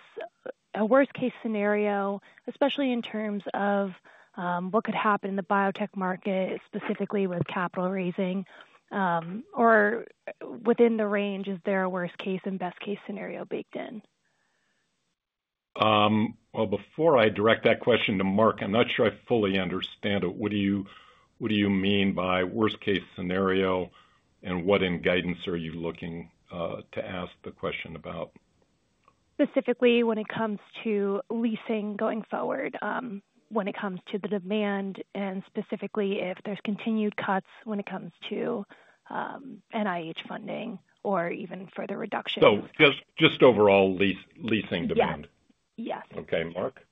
[SPEAKER 7] a worst-case scenario, especially in terms of what could happen in the biotech market, specifically with capital raising? Or within the range, is there a worst-case and best-case scenario baked in?
[SPEAKER 3] Well, before I direct that question to Marc Binda, I'm not sure I fully understand it. What do you mean by worst-case scenario and what in guidance are you looking to ask the question about?
[SPEAKER 7] Specifically, when it comes to leasing going forward, when it comes to the demand, and specifically if there's continued cuts when it comes to NIH funding or even further reductions.
[SPEAKER 3] Just overall leasing demand. Yes. Yes. Okay, Marc Binda.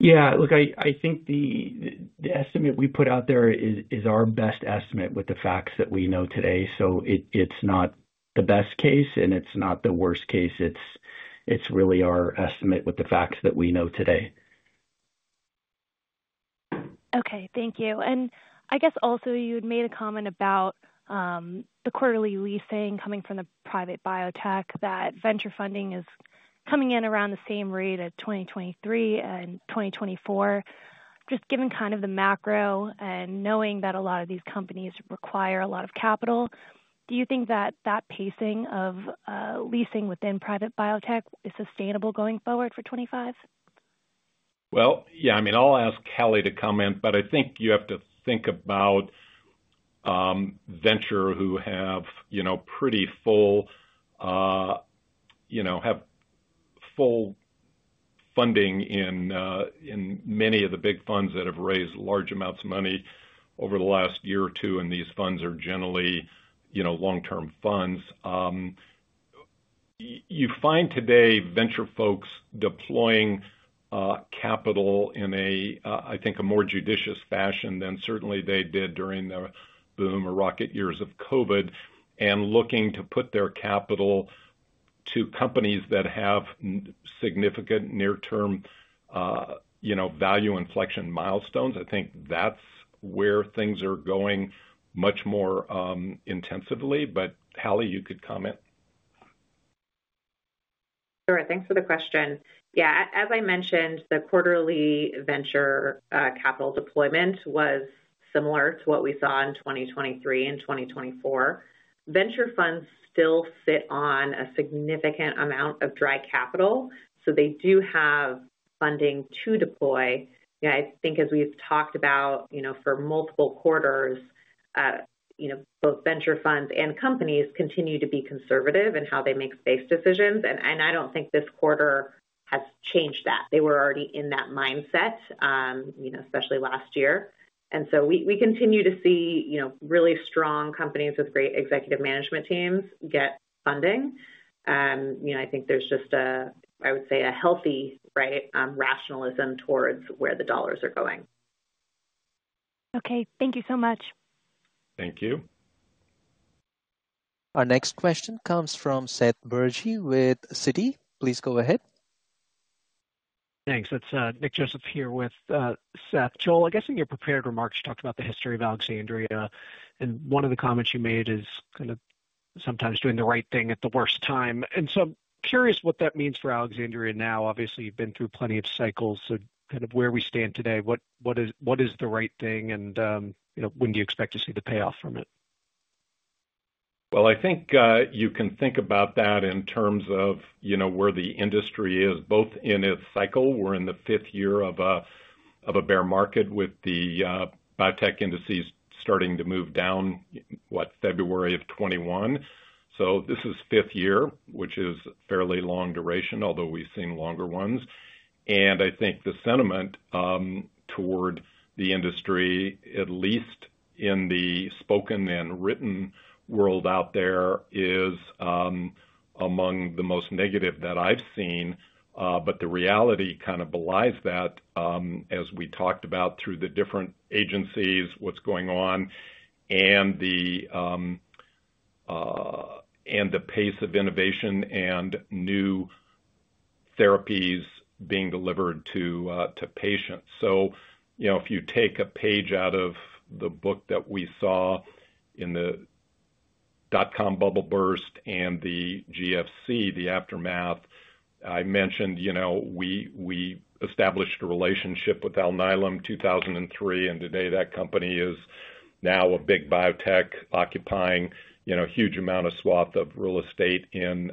[SPEAKER 6] Yeah, look, I think the estimate we put out there is our best estimate with the facts that we know today. It's not the best case, and it's not the worst case. It's really our estimate with the facts that we know today.
[SPEAKER 7] Okay, thank you. I guess also you had made a comment about the quarterly leasing coming from the private biotech, that venture funding is coming in around the same rate of 2023 and 2024. Just given kind of the macro and knowing that a lot of these companies require a lot of capital, do you think that that pacing of leasing within private biotech is sustainable going forward for 2025?
[SPEAKER 3] Well, yes, I mean, I'll Hallie Kuhn, SVP of Life Science and Capital Markets to comment, but I think you have to think about venture who have pretty full, have full funding in many of the big funds that have raised large amounts of money over the last year or two, and these funds are generally long-term funds. You find today venture folks deploying capital in a, I think, a more judicious fashion than certainly they did during the boom or rocket years of COVID and looking to put their capital to companies that have significant near-term value inflection milestones. I think that's where things are going much more Hallie Kuhn, SVP of Life Science and Capital Markets, you could comment.
[SPEAKER 4] Sure, thanks for the question. Yes, as I mentioned, the quarterly venture capital deployment was similar to what we saw in 2023 and 2024. Venture funds still sit on a significant amount of dry capital, so they do have funding to deploy. Yeah, I think as we've talked about for multiple quarters, both venture funds and companies continue to be conservative in how they make space decisions. I don't think this quarter has changed that. They were already in that mindset, especially last year. We continue to see really strong companies with great executive management teams get funding. I think there's just a, I would say, a healthy, right, rationalism towards where the dollars are going.
[SPEAKER 7] Okay, thank you so much.
[SPEAKER 3] Thank you.
[SPEAKER 1] Our next question comes from uncertain with Citi. Please go ahead.
[SPEAKER 8] Thanks. It's Nick Joseph here with Seth. Joel, I guess in your prepared remarks, you talked about the history of Alexandria, and one of the comments you made is kind of sometimes doing the right thing at the worst time. I'm curious what that means for Alexandria now. Obviously, you've been through plenty of cycles. Where we stand today, what is the right thing, and when do you expect to see the payoff from it?
[SPEAKER 3] Well,I think you can think about that in terms of where the industry is, both in its cycle. We're in the fifth year of a bear market with the biotech indices starting to move down, what, February of 2021. This is fifth year, which is a fairly long duration, although we've seen longer ones. I think the sentiment toward the industry, at least in the spoken and written world out there, is among the most negative that I've seen. The reality kind of belies that, as we talked about through the different agencies, what's going on, and the pace of innovation and new therapies being delivered to patients. If you take a page out of the book that we saw in the .com bubble burst and the GFC, the aftermath, I mentioned we established a relationship with Alnylam in 2003, and today that company is now a big biotech occupying a huge amount of swath of real estate in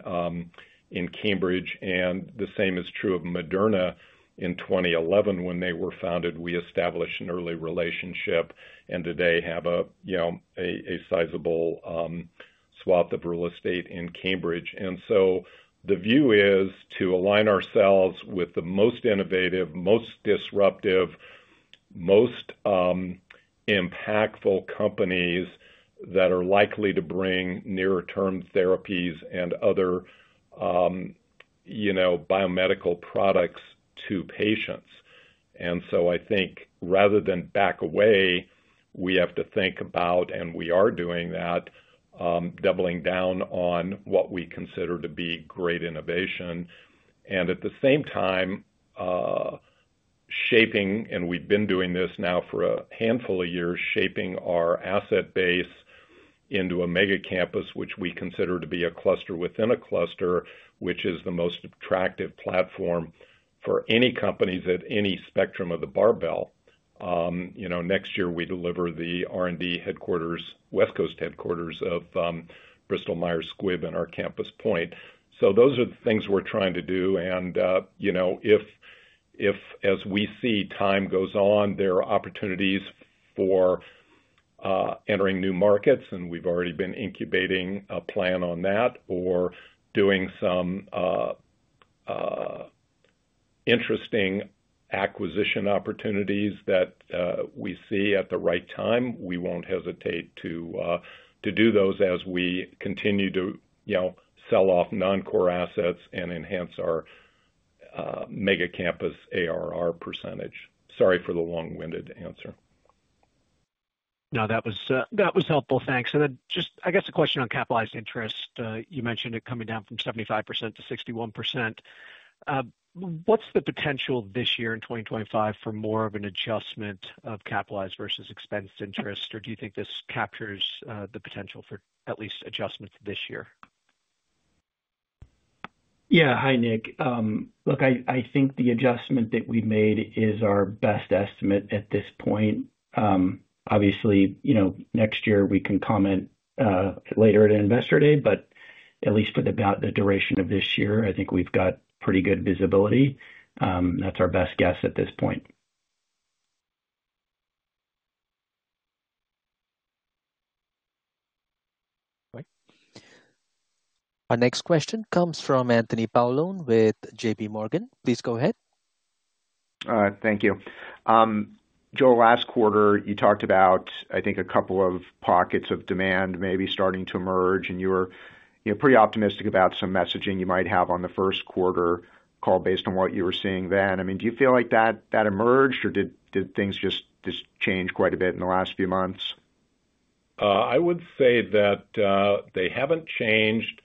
[SPEAKER 3] Cambridge. And the same is true of Moderna in 2011. When they were founded, we established an early relationship and today have a sizable swath of real estate in Cambridge. The view is to align ourselves with the most innovative, most disruptive, most impactful companies that are likely to bring near-term therapies and other biomedical products to patients. I think rather than back away, we have to think about, and we are doing that, doubling down on what we consider to be great innovation. At the same time, shaping, and we've been doing this now for a handful of years, shaping our asset base into a mega campus, which we consider to be a cluster within a cluster, which is the most attractive platform for any companies at any spectrum of the barbell. Next year, we deliver the R&D headquarters, West Coast headquarters of Bristol Myers Squibb and our Campus Point. So those are the things we're trying to do. If, as we see, time goes on, there are opportunities for entering new markets, and we've already been incubating a plan on that or doing some interesting acquisition opportunities that we see at the right time, we won't hesitate to do those as we continue to sell off non-core assets and enhance our mega campus ARR percentage. Sorry for the long-winded answer.
[SPEAKER 8] No, that was helpful. Thanks. Just, I guess, a question on capitalized interest. You mentioned it coming down from 75% to 61%. What's the potential this year in 2025 for more of an adjustment of capitalized versus expense interest, or do you think this captures the potential for at least adjustment this year?
[SPEAKER 6] Yeah. Hi, Nick. Look, I think the adjustment that we've made is our best estimate at this point. Obviously, next year, we can comment later at Investor Day, but at least for the duration of this year, I think we've got pretty good visibility. That's our best guess at this point.
[SPEAKER 1] Our next question comes from Anthony Paolone with JPMorgan. Please go ahead. Thank you.
[SPEAKER 9] Joel, last quarter, you talked about, I think, a couple of pockets of demand maybe starting to emerge, and you were pretty optimistic about some messaging you might have on the first quarter call based on what you were seeing then. I mean, do you feel like that emerged, or did things just change quite a bit in the last few months?
[SPEAKER 3] I would say that they haven't changed.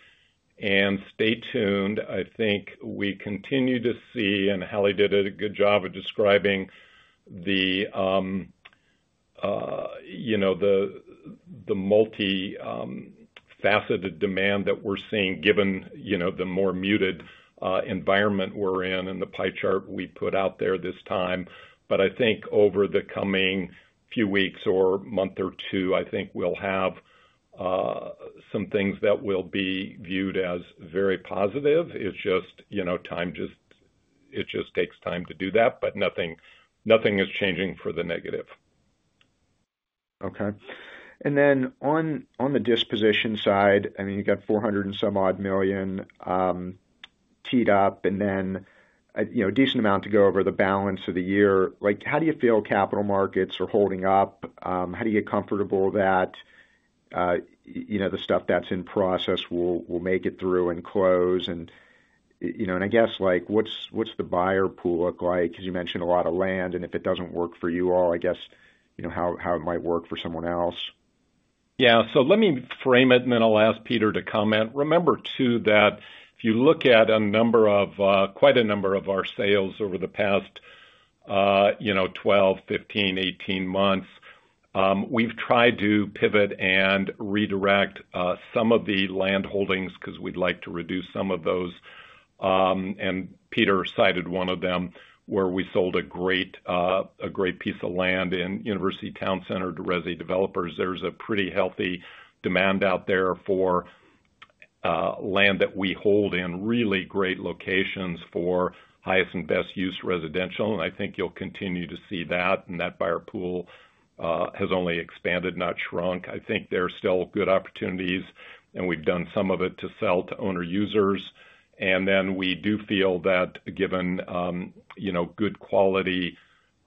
[SPEAKER 3] Stay tuned. I think we continue to see, Hallie Kuhn, SVP of Life Science and Capital Markets did a good job of describing the multifaceted demand that we're seeing given the more muted environment we're in and the pie chart we put out there this time. I think over the coming few weeks or month or two, I think we'll have some things that will be viewed as very positive. It's just time; it just takes time to do that, but nothing is changing for the negative.
[SPEAKER 9] Okay. Then on the disposition side, I mean, you got $400 and some odd million teed up, and then a decent amount to go over the balance of the year. How do you feel capital markets are holding up? How do you get comfortable that the stuff that's in process will make it through and close? I guess, what's the buyer pool look like? Because you mentioned a lot of land, and if it doesn't work for you all, I guess how it might work for someone else.
[SPEAKER 3] Yeah. Let me frame it, and then I'll ask Peter Moglia to comment. Remember, too, that if you look at quite a number of our sales over the past 12, 15, 18 months, we've tried to pivot and redirect some of the land holdings because we'd like to reduce some of those. Peter Moglia cited one of them where we sold a great piece of land in University Town Center to Resi Developers. There's a pretty healthy demand out there for land that we hold in really great locations for highest and best use residential. I think you'll continue to see that, and that buyer pool has only expanded, not shrunk. I think there are still good opportunities, and we've done some of it to sell to owner users. We do feel that given good quality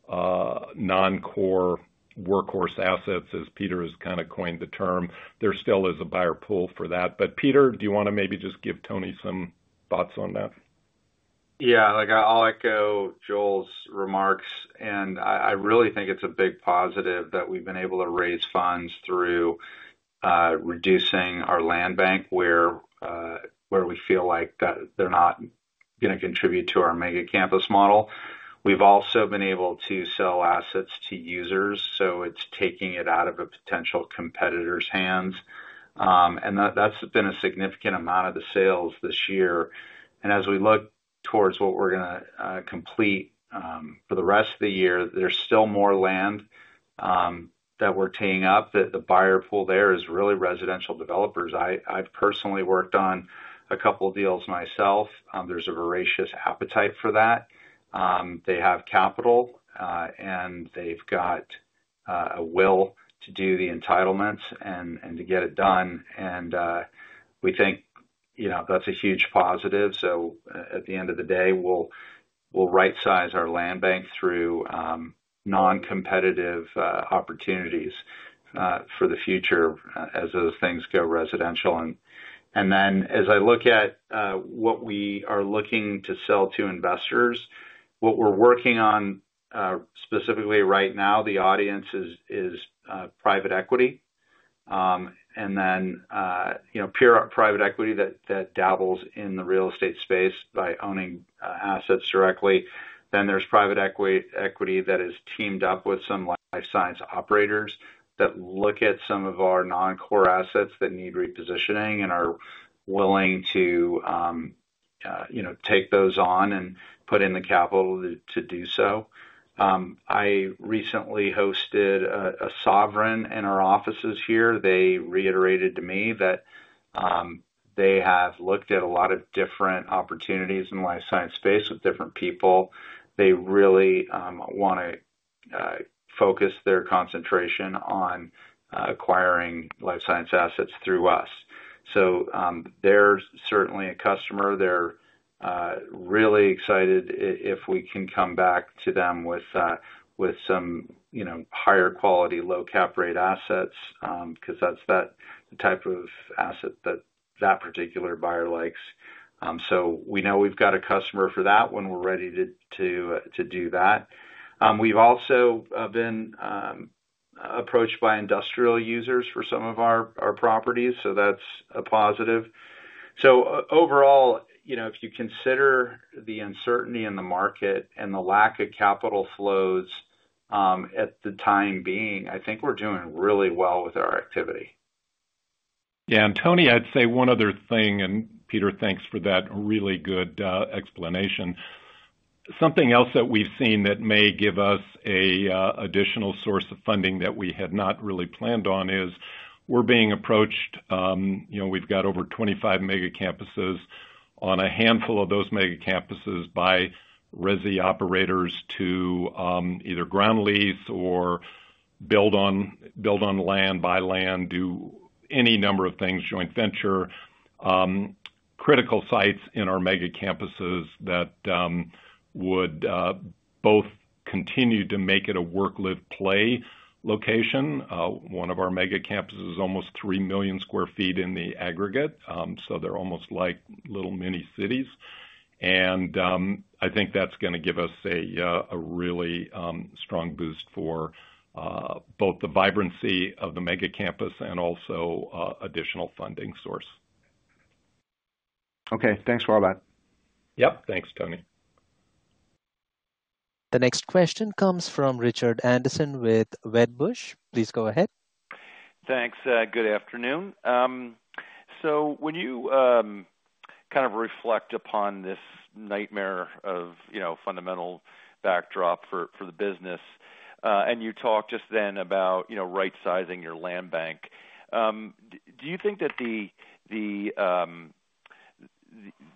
[SPEAKER 3] non-core workhorse assets, as Peter Moglia Moglia has kind of coined the term, there still is a buyer pool for that. Peter Moglia, do you want to maybe just give Hallie Kuhn, SVP of Life Science and Capital Markets some thoughts on that?
[SPEAKER 5] Yeah. I'll echo Joel's remarks. I really think it's a big positive that we've been able to raise funds through reducing our land bank where we feel like they're not going to contribute to our mega campus model. We've also been able to sell assets to users. It's taking it out of a potential competitor's hands. That's been a significant amount of the sales this year. As we look towards what we're going to complete for the rest of the year, there's still more land that we're teeing up. The buyer pool there is really residential developers. I've personally worked on a couple of deals myself. There's a voracious appetite for that. They have capital, and they've got a will to do the entitlements and to get it done. We think that's a huge positive. At the end of the day, we'll right-size our land bank through non-competitive opportunities for the future as those things go residential. As I look at what we are looking to sell to investors, what we're working on specifically right now, the audience is private equity. Pure private equity that dabbles in the real estate space by owning assets directly. There is private equity that is teamed up with some life science operators that look at some of our non-core assets that need repositioning and are willing to take those on and put in the capital to do so. I recently hosted a sovereign in our offices here. They reiterated to me that they have looked at a lot of different opportunities in the life science space with different people. They really want to focus their concentration on acquiring life science assets through us. They are certainly a customer. They are really excited if we can come back to them with some higher quality, low cap rate assets because that is the type of asset that that particular buyer likes. We know we have got a customer for that when we are ready to do that. We have also been approached by industrial users for some of our properties. That is a positive. Overall, if you consider the Hallie Kuhn, SVP of Life Science and Capital Marketsty in the market and the lack of capital flows at the time being, I think we are doing really well with our activity.
[SPEAKER 3] Yes. Hallie Kuhn, SVP of Life Science and Capital Markets, I would say one other thing, and Peter Moglia, thanks for that really good explanation. Something else that we have seen that may give us an additional source of funding that we had not really planned on is we are being approached. We've got over 25 mega campuses on a handful of those mega campuses by Resi operators to either ground lease or build on land, buy land, do any number of things, joint venture, critical sites in our mega campuses that would both continue to make it a work-live play location. One of our mega campuses is almost 3 million sq ft in the aggregate. They are almost like little mini cities. I think that's going to give us a really strong boost for both the vibrancy of the mega campus and also an additional funding source.
[SPEAKER 9] Okay. Thanks for all that.
[SPEAKER 3] Yes. Thanks, Hallie Kuhn, SVP of Life Science and Capital Markets.
[SPEAKER 1] The next question comes from Richard Anderson with Wedbush. Please go ahead. Thanks. Good afternoon.
[SPEAKER 10] When you kind of reflect upon this nightmare of fundamental backdrop for the business, and you talked just then about right-sizing your land bank, do you think that the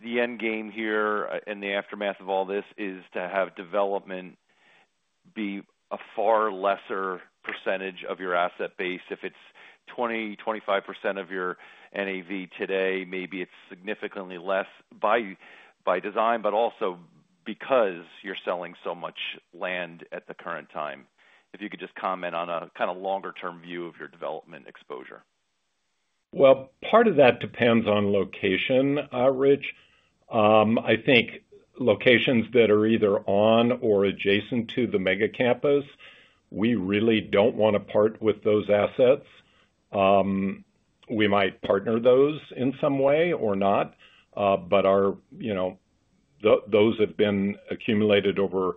[SPEAKER 10] end game here in the aftermath of all this is to have development be a far lesser percentage of your asset base? If it's 20%-25% of your NAV today, maybe it's significantly less by design, but also because you're selling so much land at the current time. If you could just comment on a kind of longer-term view of your development exposure.
[SPEAKER 3] Well, part of that depends on location, Rich. I think locations that are either on or adjacent to the mega campus, we really don't want to part with those assets. We might partner those in some way or not, but those have been accumulated over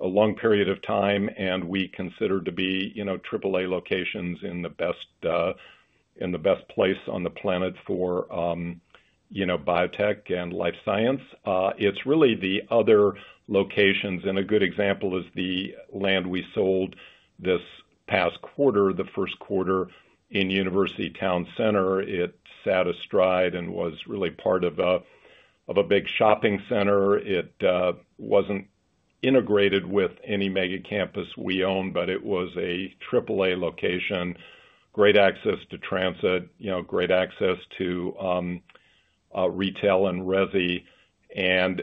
[SPEAKER 3] a long period of time, and we consider to be AAA locations in the best place on the planet for biotech and life science. It is really the other locations. A good example is the land we sold this past quarter, the first quarter in University Town Center. It sat astride and was really part of a big shopping center. It was not integrated with any mega campus we own, but it was a AAA location, great access to transit, great access to retail and resi.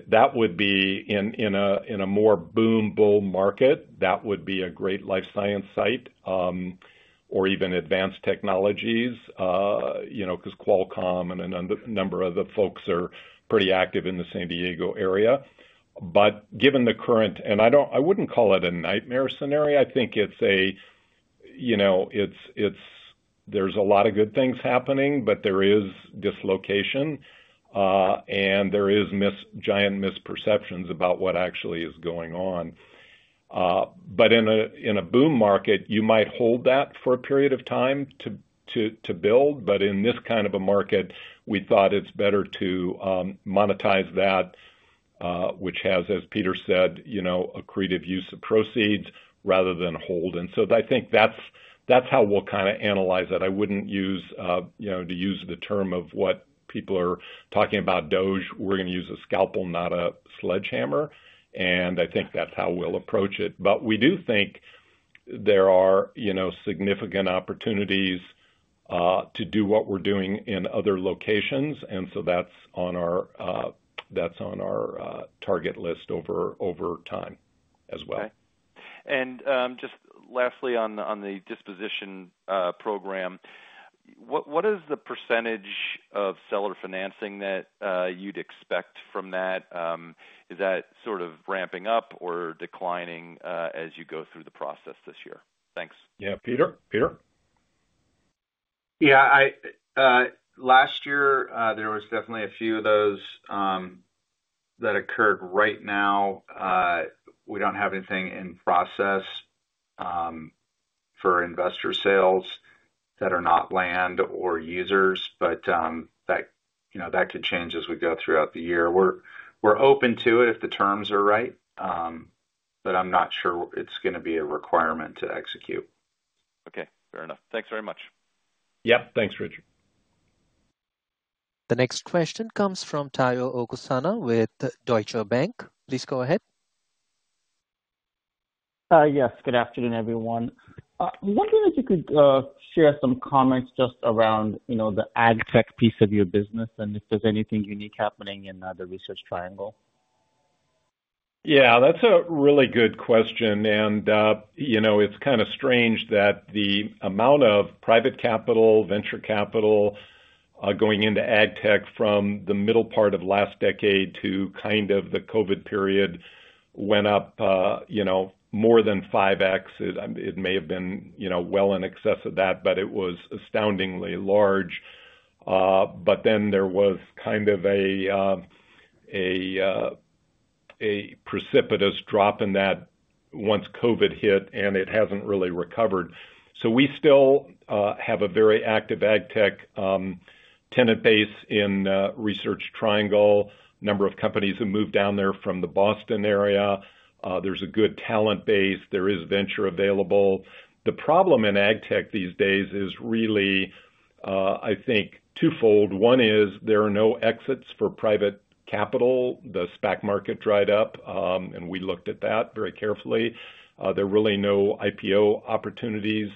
[SPEAKER 3] That would be in a more boom-bull market. That would be a great life science site or even advanced technologies because Qualcomm and a number of the folks are pretty active in the San Diego area. Given the current, and I would not call it a nightmare scenario. I think it's a, there's a lot of good things happening, but there is dislocation, and there are giant misperceptions about what actually is going on. But in a boom market, you might hold that for a period of time to build. In this kind of a market, we thought it's better to monetize that, which has, as Peter Moglia said, a creative use of proceeds rather than hold. I think that's how we'll kind of analyze it. I wouldn't use the term of what people are talking about, DOGE. We're going to use a scalpel, not a sledgehammer. I think that's how we'll approach it. We do think there are significant opportunities to do what we're doing in other locations. That's on our target list over time as well. Okay.
[SPEAKER 10] And just lastly, on the disposition program, what is the percentage of seller financing that you'd expect from that? Is that sort of ramping up or declining as you go through the process this year? Thanks.
[SPEAKER 3] Yeah. Peter Moglia? Peter Moglia?
[SPEAKER 5] Yes. Last year, there was definitely a few of those that occurred. Right now, we do not have anything in process for investor sales that are not land or users, but that could change as we go throughout the year. We are open to it if the terms are right, but I am not sure it is going to be a requirement to execute.
[SPEAKER 10] Okay. Fair enough.
[SPEAKER 3] Thanks very much. Yep. Thanks, Richard.
[SPEAKER 1] The next question comes from Tayo Okusanya with Deutsche Bank. Please go ahead.
[SPEAKER 11] Yes. Good afternoon, everyone. I'm wondering if you could share some comments just around the ag tech piece of your business and if there's anything unique happening in the Research Triangle.
[SPEAKER 3] Yeah. That's a really good question. It's kind of strange that the amount of private capital, venture capital going into ag tech from the middle part of last decade to kind of the COVID period went up more than 5x. It may have been well in excess of that, but it was astoundingly large. There was kind of a precipitous drop in that once COVID hit, and it hasn't really recovered. So we still have a very active AgTech tenant base in Research Triangle. A number of companies have moved down there from the Boston area. There's a good talent base. There is venture available. The problem in AgTech these days is really, I think, twofold. One is there are no exits for private capital. The SPAC market dried up, and we looked at that very carefully. There are really no IPO opportunities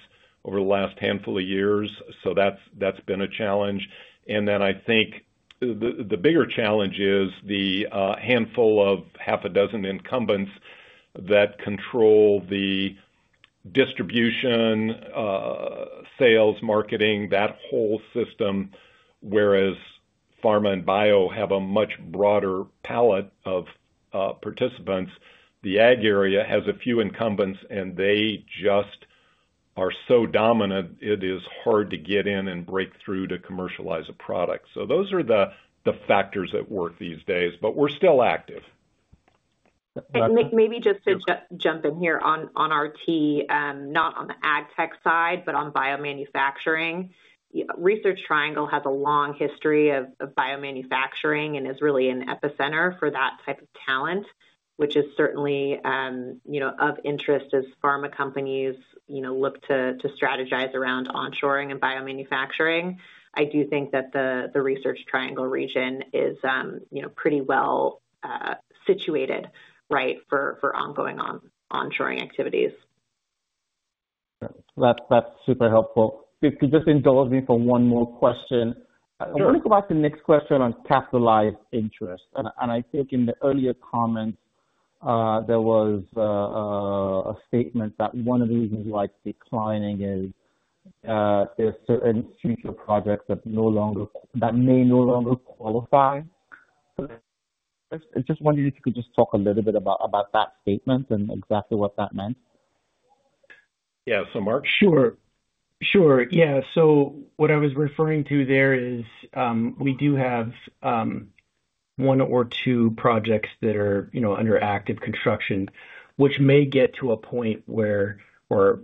[SPEAKER 3] over the last handful of years. That has been a challenge. I think the bigger challenge is the handful of half a dozen incumbents that control the distribution, sales, marketing, that whole system. Whereas pharma and bio have a much broader palette of participants, the ag area has a few incumbents, and they just are so dominant, it is hard to get in and break through to commercialize a product. Those are the factors at work these days, but we're still active.
[SPEAKER 4] Maybe just to jump in here on RT, not on the ag tech side, but on biomanufacturing. Research Triangle has a long history of biomanufacturing and is really an epicenter for that type of talent, which is certainly of interest as pharma companies look to strategize around onshoring and biomanufacturing. I do think that the Research Triangle region is pretty well situated, right, for ongoing onshoring activities.
[SPEAKER 11] That's super helpful. If you could just indulge me for one more question. I want to go back to the next question on capitalized interest. I think in the earlier comments, there was a statement that one of the reasons why it's declining is there are certain future projects that may no longer qualify. I just wondered if you could just talk a little bit about that statement and exactly what that meant.
[SPEAKER 6] Yeah. Marc Binda? Sure. Sure. Yeah. What I was referring to there is we do have one or two projects that are under active construction, which may get to a point where, or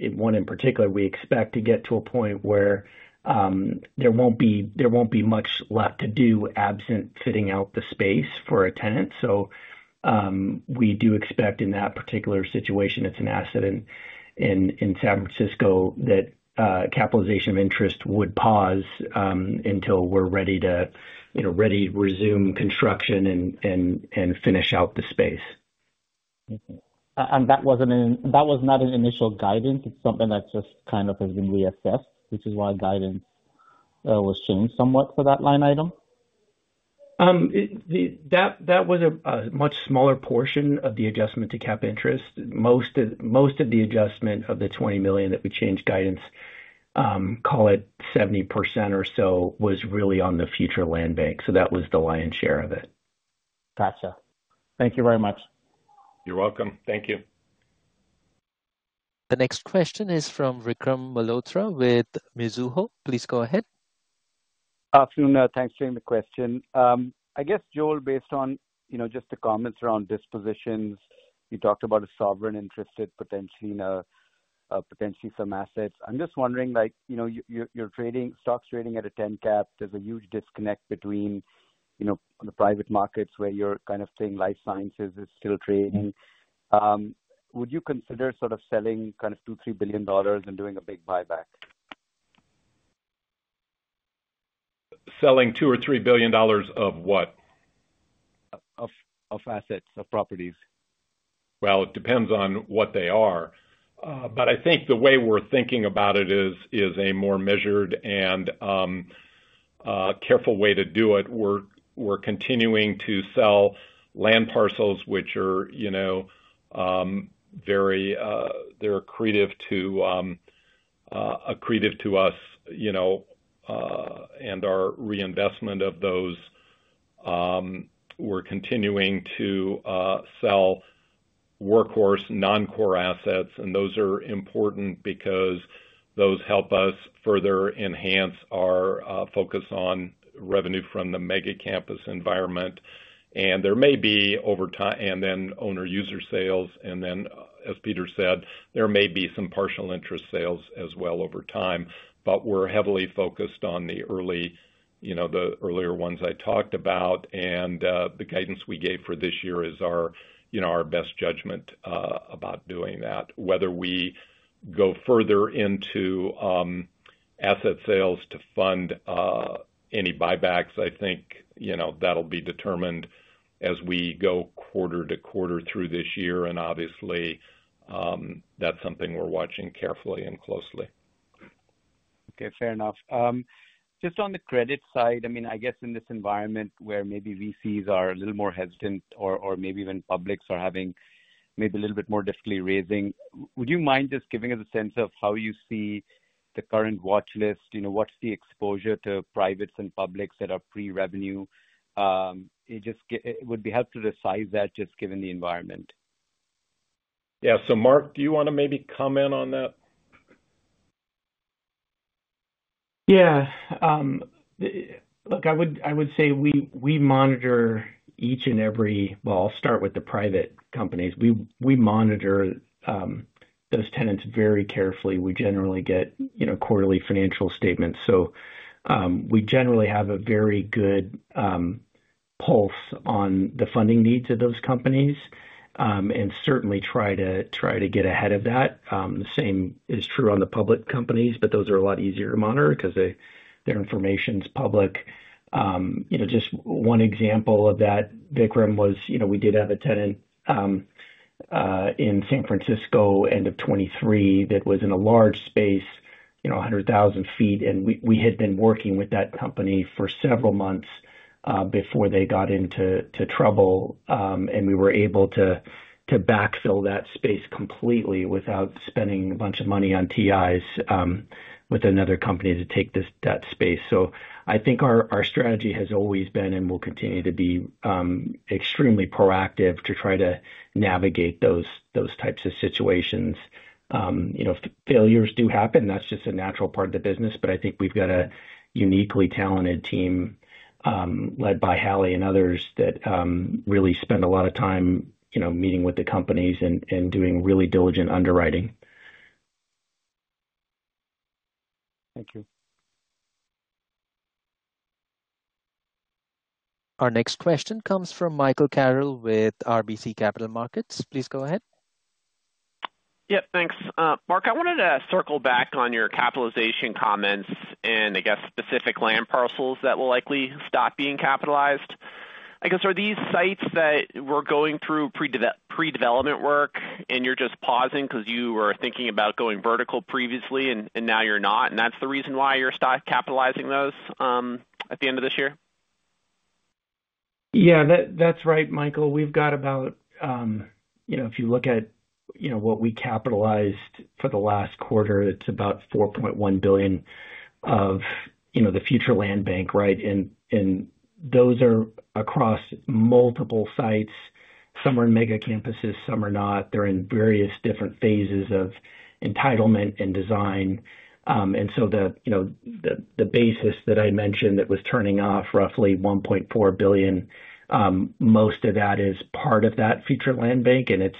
[SPEAKER 6] one in particular, we expect to get to a point where there will not be much left to do absent fitting out the space for a tenant. We do expect in that particular situation, it is an asset in San Francisco that capitalization of interest would pause until we are ready to resume construction and finish out the space.
[SPEAKER 11] That was not in initial guidance. It is something that just kind of has been reassessed, which is why guidance was changed somewhat for that line item.
[SPEAKER 6] That was a much smaller portion of the adjustment to cap interest. Most of the adjustment of the $20 million that we changed guidance, call it 70% or so, was really on the future land bank. That was the lion's share of it.
[SPEAKER 11] Got you. Thank you very much.
[SPEAKER 3] You're welcome. Thank you.
[SPEAKER 1] The next question is from Vikram Malhotra with Mizuho. Please go ahead.
[SPEAKER 12] Afternoon. Thanks for the question. I guess, Joel, based on just the comments around dispositions, you talked about a sovereign interested potentially in potentially some assets. I'm just wondering, your stock's trading at a 10 cap. There's a huge disconnect between the private markets where you're kind of saying life sciences is still trading. Would you consider sort of selling kind of $2 billion-$3 billion and doing a big buyback?
[SPEAKER 3] Selling $2 billion or $3 billion of what?
[SPEAKER 12] Of assets, of properties.
[SPEAKER 3] Well, it depends on what they are. I think the way we're thinking about it is a more measured and careful way to do it. We're continuing to sell land parcels, which are very accretive to us and our reinvestment of those. We're continuing to sell workhorse, non-core assets. Those are important because those help us further enhance our focus on revenue from the mega campus environment. There may be over time owner-user sales. As Peter Moglia. said, there may be some partial interest sales as well over time. We're heavily focused on the earlier ones I talked about. The guidance we gave for this year is our best judgment about doing that. Whether we go further into asset sales to fund any buybacks, I think that'll be determined as we go quarter to quarter through this year. Obviously, that's something we're watching carefully and closely.
[SPEAKER 12] Okay. Fair enough. Just on the credit side, I mean, I guess in this environment where maybe VCs are a little more hesitant or maybe when publics are having maybe a little bit more difficulty raising, would you mind just giving us a sense of how you see the current watchlist? What's the exposure to privates and publics that are pre-revenue? It would be helpful to size that just given the environment.
[SPEAKER 3] Yeah. Marc Binda, do you want to maybe comment on that?
[SPEAKER 6] Yeah. Look, I would say we monitor each and every—well, I'll start with the private companies. We monitor those tenants very carefully. We generally get quarterly financial statements. We generally have a very good pulse on the funding needs of those companies and certainly try to get ahead of that. The same is true on the public companies, but those are a lot easier to monitor because their information's public. Just one example of that, Vikram, was we did have a tenant in San Francisco end of 2023 that was in a large space, 100,000 sq ft. We had been working with that company for several months before they got into trouble. We were able to backfill that space completely without spending a bunch of money on TIs with another company to take that space. I think our strategy has always been and will continue to be extremely proactive to try to navigate those types of situations. Failures do happen. That's just a natural part of the business. I think we've got a uniquely talented team led Hallie Kuhn, SVP of Life Science and Capital Markets and others that really spend a lot of time meeting with the companies and doing really diligent underwriting.
[SPEAKER 12] Thank you.
[SPEAKER 1] Our next question comes from Michael Carroll with RBC Capital Markets. Please go ahead.
[SPEAKER 13] Yes. Thanks. Marc Binda, I wanted to circle back on your capitalization comments and, I guess, specific land parcels that will likely stop being capitalized. I guess, are these sites that were going through pre-development work and you're just pausing because you were thinking about going vertical previously and now you're not? That's the reason why you're stopped capitalizing those at the end of this year?
[SPEAKER 6] Yeah. That's right, Michael Carroll. We've got about, if you look at what we capitalized for the last quarter, it's about $4.1 billion of the future land bank, right? Those are across multiple sites. Some are in mega campuses, some are not. They're in various different phases of entitlement and design. The basis that I mentioned that was turning off roughly $1.4 billion, most of that is part of that future land bank. It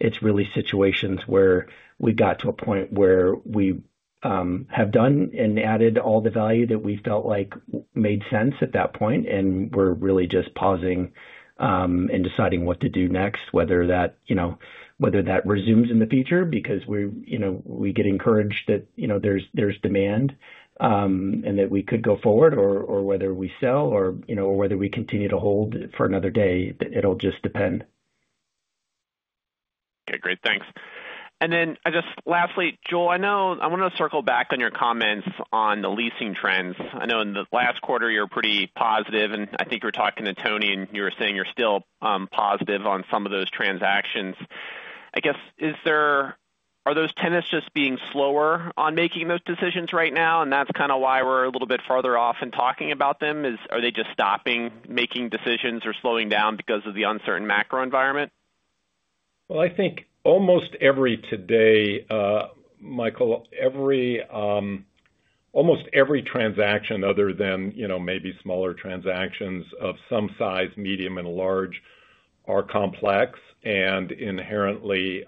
[SPEAKER 6] is really situations where we got to a point where we have done and added all the value that we felt like made sense at that point. We are really just pausing and deciding what to do next, whether that resumes in the future because we get encouraged that there is demand and that we could go forward or whether we sell or whether we continue to hold for another day. It will just depend.
[SPEAKER 13] Okay. Great. Thanks. I guess lastly, Joel, I want to circle back on your comments on the leasing trends. I know in the last quarter, you are pretty positive. I think you were talking to Hallie Kuhn, SVP of Life Science and Capital Markets and you were saying you are still positive on some of those transactions. I guess, are those tenants just being slower on making those decisions right now? And that's kind of why we're a little bit farther off in talking about them. Are they just stopping making decisions or slowing down because of the Hallie Kuhn, SVP of Life Science and Capital Markets macro environment?
[SPEAKER 3] I think almost every today, Michael Carroll, almost every transaction other than maybe smaller transactions of some size, medium, and large are complex and inherently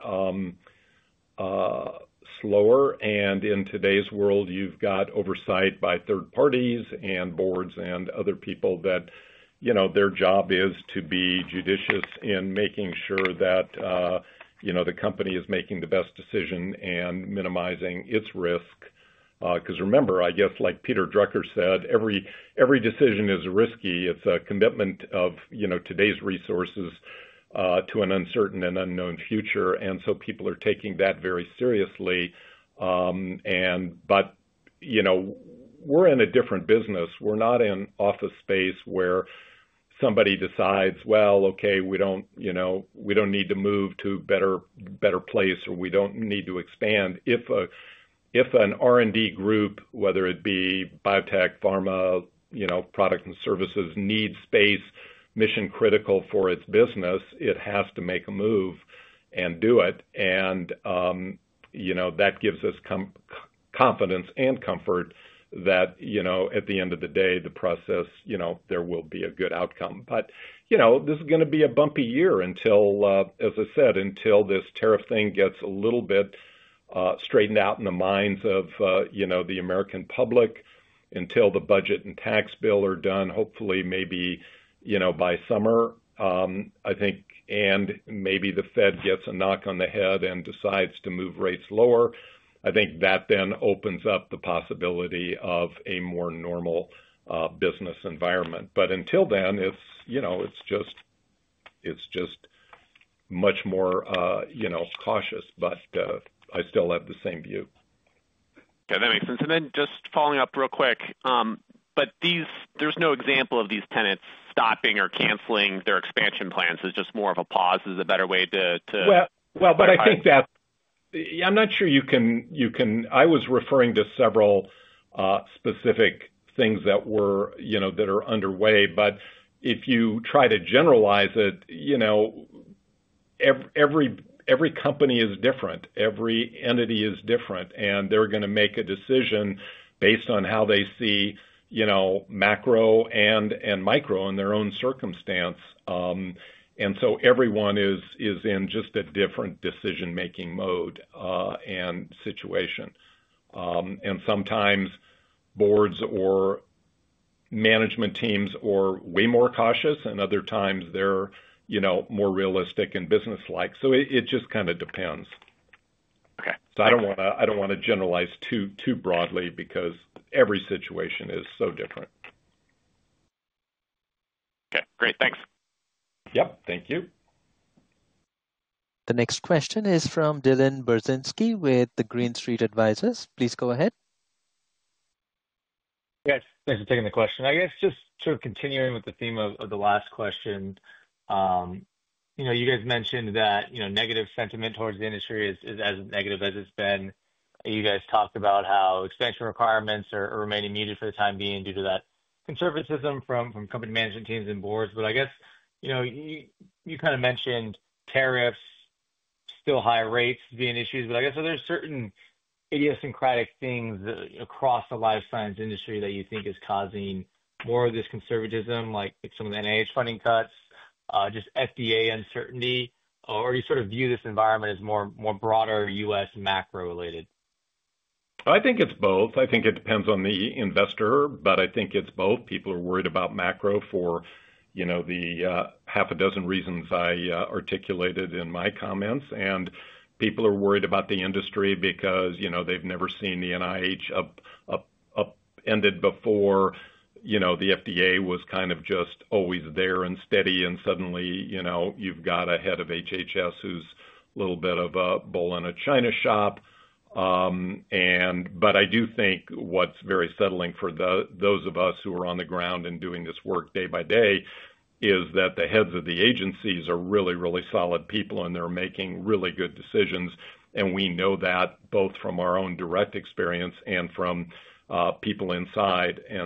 [SPEAKER 3] slower. In today's world, you've got oversight by third parties and boards and other people that their job is to be judicious in making sure that the company is making the best decision and minimizing its risk. Because remember, I guess, like Peter Drucker said, every decision is risky. It's a commitment of today's resources to an Hallie Kuhn, SVP of Life Science and Capital Markets and unknown future. People are taking that very seriously. We're in a different business. We're not in office space where somebody decides, "Well, okay, we don't need to move to a better place or we don't need to expand." If an R&D group, whether it be biotech, pharma, product, and services, needs space mission-critical for its business, it has to make a move and do it. That gives us confidence and comfort that at the end of the day, the process, there will be a good outcome. This is going to be a bumpy year until, as I said, until this tariff thing gets a little bit straightened out in the minds of the American public, until the budget and tax bill are done, hopefully maybe by summer, I think, and maybe the Fed gets a knock on the head and decides to move rates lower. I think that then opens up the possibility of a more normal business environment. Until then, it's just much more cautious. I still have the same view.
[SPEAKER 13] Yeah. That makes sense. Just following up real quick, there's no example of these tenants stopping or canceling their expansion plans. It's just more of a pause is a better way to
[SPEAKER 3] Well, but I think that I'm not sure you can— I was referring to several specific things that are underway. If you try to generalize it, every company is different. Every entity is different. They're going to make a decision based on how they see macro and micro in their own circumstance. Everyone is in just a different decision-making mode and situation. Sometimes boards or management teams are way more cautious. Other times, they're more realistic and business-like. It just kind of depends. I don't want to generalize too broadly because every situation is so different.
[SPEAKER 13] Okay. Great. Thanks.
[SPEAKER 3] Yes. Thank you.
[SPEAKER 1] The next question is from Dylan Burzinski with Green Street Advisors. Please go ahead.
[SPEAKER 14] Yes. Thanks for taking the question. I guess just sort of continuing with the theme of the last question, you guys mentioned that negative sentiment towards the industry is as negative as it's been. You guys talked about how expansion requirements are remaining muted for the time being due to that conservatism from company management teams and boards. I guess you kind of mentioned tariffs, still high rates being issues. I guess are there certain idiosyncratic things across the life science industry that you think is causing more of this conservatism, like some uncertainty? You sort of view this environment as more broader U.S., macro-related?
[SPEAKER 3] I think it's both. I think it depends on the investor. I think it's both. People are worried about macro for the half a dozen reasons I articulated in my comments. People are worried about the industry because they've never seen the NIH upended before. The FDA was kind of just always there and steady. Suddenly, you've got a head of HHS who's a little bit of a bull in a China shop. I do think what's very settling for those of us who are on the ground and doing this work day by day is that the heads of the agencies are really, really solid people. They're making really good decisions. We know that both from our own direct experience and from people inside. We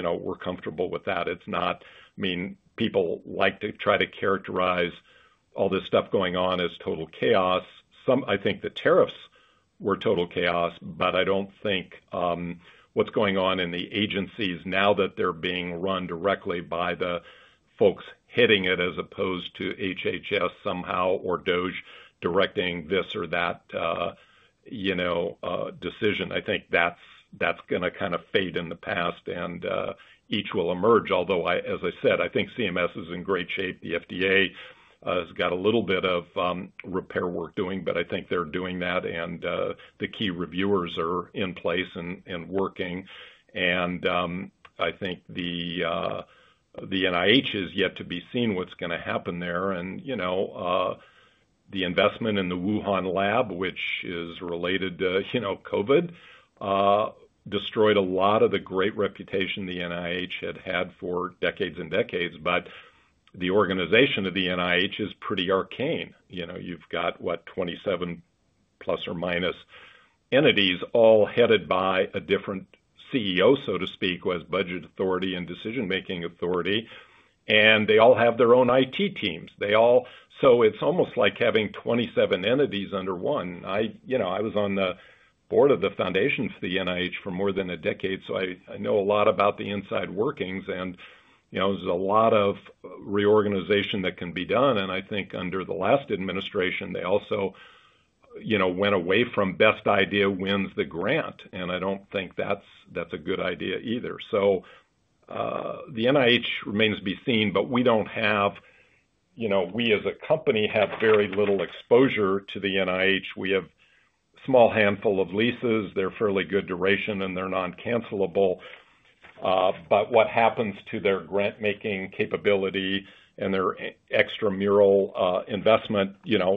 [SPEAKER 3] are comfortable with that. I mean, people like to try to characterize all this stuff going on as total chaos. I think the tariffs were total chaos. I do not think what's going on in the agencies now that they're being run directly by the folks heading it as opposed to HHS somehow or DOJ directing this or that decision. I think that's going to kind of fade in the past. Each will emerge. Although, as I said, I think CMS is in great shape. The FDA has got a little bit of repair work doing. I think they're doing that. The key reviewers are in place and working. I think the NIH is yet to be seen what's going to happen there. The investment in the Wuhan lab, which is related to COVID, destroyed a lot of the great reputation the NIH had had for decades and decades. The organization of the NIH is pretty arcane. You've got, what, 27 plus or minus entities all headed by a different CEO, so to speak, who has budget authority and decision-making authority. They all have their own IT teams. It's almost like having 27 entities under one. I was on the board of the Foundation for the NIH for more than a decade. I know a lot about the inside workings. There's a lot of reorganization that can be done. I think under the last administration, they also went away from best idea wins the grant. I don't think that's a good idea either. The NIH remains to be seen. We as a company have very little exposure to the NIH. We have a small handful of leases. They're fairly good duration. They're non-cancelable. What happens to their grant-making capability and their extramural investment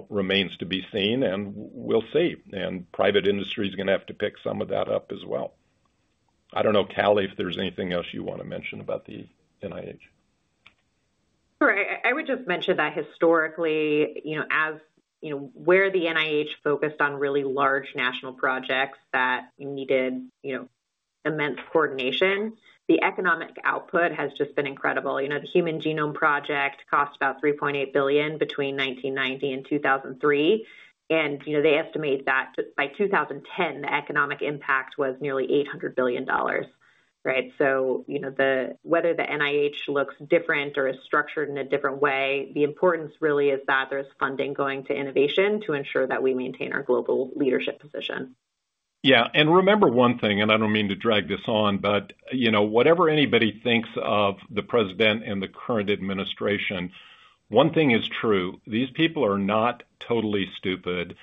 [SPEAKER 3] remains to be seen. We'll see. Private industry is going to have to pick some of that up as well. I don't Hallie Kuhn, SVP of Life Science and Capital Markets, if there's anything else you want to mention about the NIH.
[SPEAKER 4] Sure. I would just mention that historically, where the NIH focused on really large national projects that needed immense coordination, the economic output has just been incredible. The Human Genome Project cost about $3.8 billion between 1990 and 2003. They estimate that by 2010, the economic impact was nearly $800 billion, right? Whether the NIH looks different or is structured in a different way, the importance really is that there's funding going to innovation to ensure that we maintain our global leadership position.
[SPEAKER 3] Yes.Remember one thing, and I don't mean to drag this on, but whatever anybody thinks of the president and the current administration, one thing is true. These people are not totally stupid.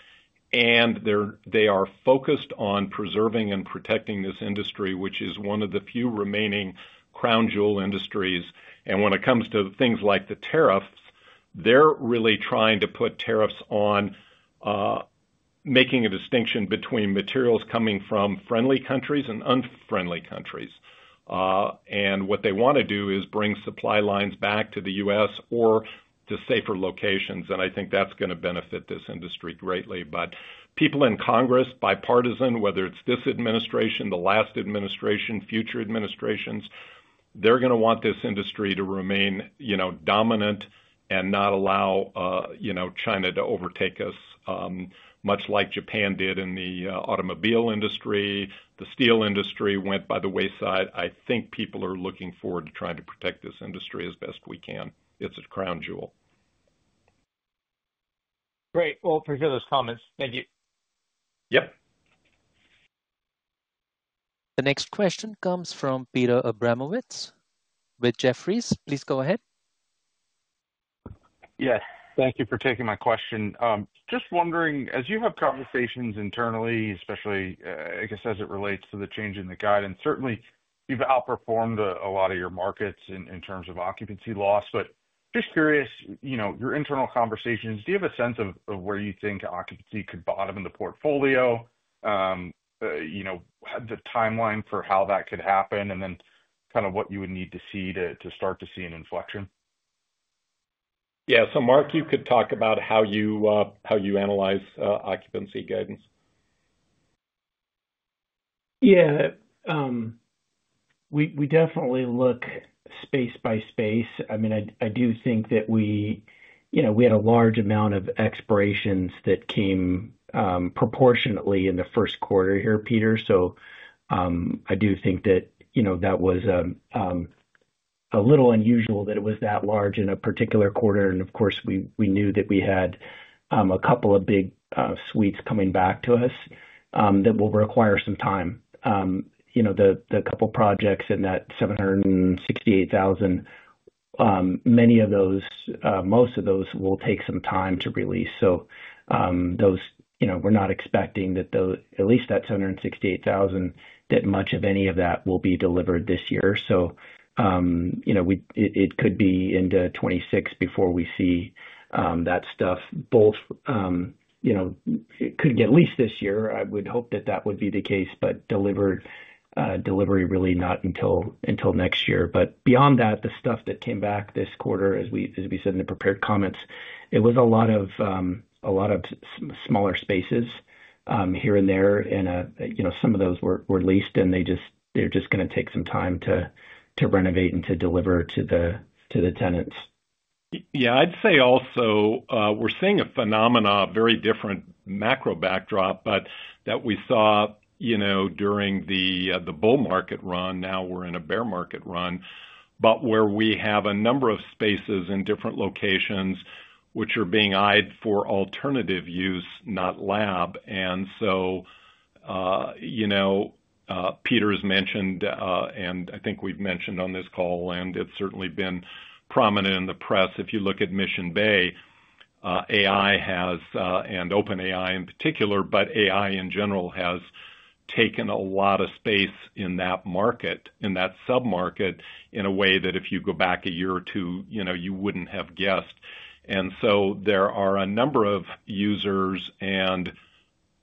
[SPEAKER 3] They are focused on preserving and protecting this industry, which is one of the few remaining crown jewel industries. When it comes to things like the tariffs, they're really trying to put tariffs on making a distinction between materials coming from friendly countries and unfriendly countries. What they want to do is bring supply lines back to the U.S., or to safer locations. I think that's going to benefit this industry greatly. People in Congress, bipartisan, whether it's this administration, the last administration, future administrations, they're going to want this industry to remain dominant and not allow China to overtake us, much like Japan did in the automobile industry. The steel industry went by the wayside. I think people are looking forward to trying to protect this industry as best we can. It's a crown jewel.
[SPEAKER 14] Great. Appreciate those comments. Thank you.
[SPEAKER 3] Yes.
[SPEAKER 1] The next question comes from Peter Abramowitz with Jefferies. Please go ahead.
[SPEAKER 15] Yes. Thank you for taking my question. Just wondering, as you have conversations internally, especially, I guess, as it relates to the change in the guidance, certainly, you've outperformed a lot of your markets in terms of occupancy loss. Just curious, your internal conversations, do you have a sense of where you think occupancy could bottom in the portfolio, the timeline for how that could happen, and then kind of what you would need to see to start to see an inflection?
[SPEAKER 3] Yeah. Marc Binda, you could talk about how you analyze occupancy guidance.
[SPEAKER 6] Yeah. We definitely look space by space. I mean, I do think that we had a large amount of expirations that came proportionately in the first quarter here, Peter Moglia.. I do think that that was a little unusual that it was that large in a particular quarter. Of course, we knew that we had a couple of big suites coming back to us that will require some time. The couple of projects in that 768,000, many of those, most of those will take some time to release. We are not expecting that at least that 768,000, that much of any of that will be delivered this year. It could be into 2026 before we see that stuff. Both could get released this year. I would hope that that would be the case, but delivery really not until next year. Beyond that, the stuff that came back this quarter, as we said in the prepared comments, it was a lot of smaller spaces here and there. Some of those were released. They're just going to take some time to renovate and to deliver to the tenants.
[SPEAKER 3] Yes. I'd say also we're seeing a phenomenon, a very different macro backdrop, but that we saw during the bull market run. Now we're in a bear market run. We have a number of spaces in different locations which are being eyed for alternative use, not lab. Peter's mentioned, and I think we've mentioned on this call, and it's certainly been prominent in the press. If you look at Mission Bay, AI has, and OpenAI in particular, but AI in general has taken a lot of space in that market, in that sub-market, in a way that if you go back a year or two, you would not have guessed. There are a number of users and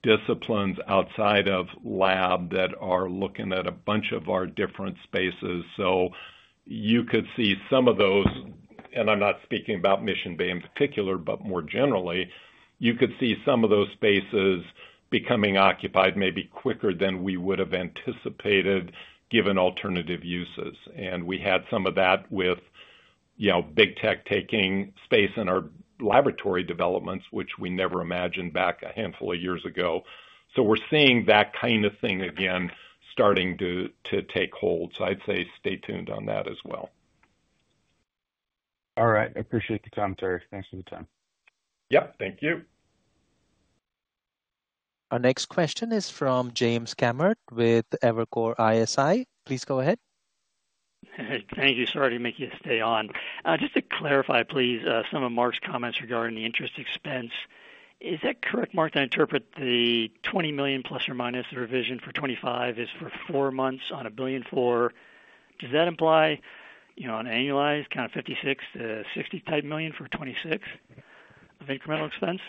[SPEAKER 3] disciplines outside of lab that are looking at a bunch of our different spaces. You could see some of those, and I am not speaking about Mission Bay in particular, but more generally, you could see some of those spaces becoming occupied maybe quicker than we would have anticipated given alternative uses. We had some of that with Big Tech taking space in our laboratory developments, which we never imagined back a handful of years ago. We are seeing that kind of thing again starting to take hold. I'd say stay tuned on that as well.
[SPEAKER 15] All right. I appreciate the time, Hallie Kuhn, SVP of Life Science and Capital Markets. Thanks for the time.
[SPEAKER 3] Yep. Thank you.
[SPEAKER 1] Our next question is from James Kammert with Evercore ISI. Please go ahead.
[SPEAKER 16] Hey. Thank you, sir. I didn't make you stay on. Just to clarify, please, some of Marc Binda comments regarding the interest expense. Is that correct, Marc Binda, that I interpret the $20 million plus or minus the revision for 2025 is for four months on $1.4 billion? Does that imply on annualized kind of $56 million-$60 million for 2026 of incremental expense?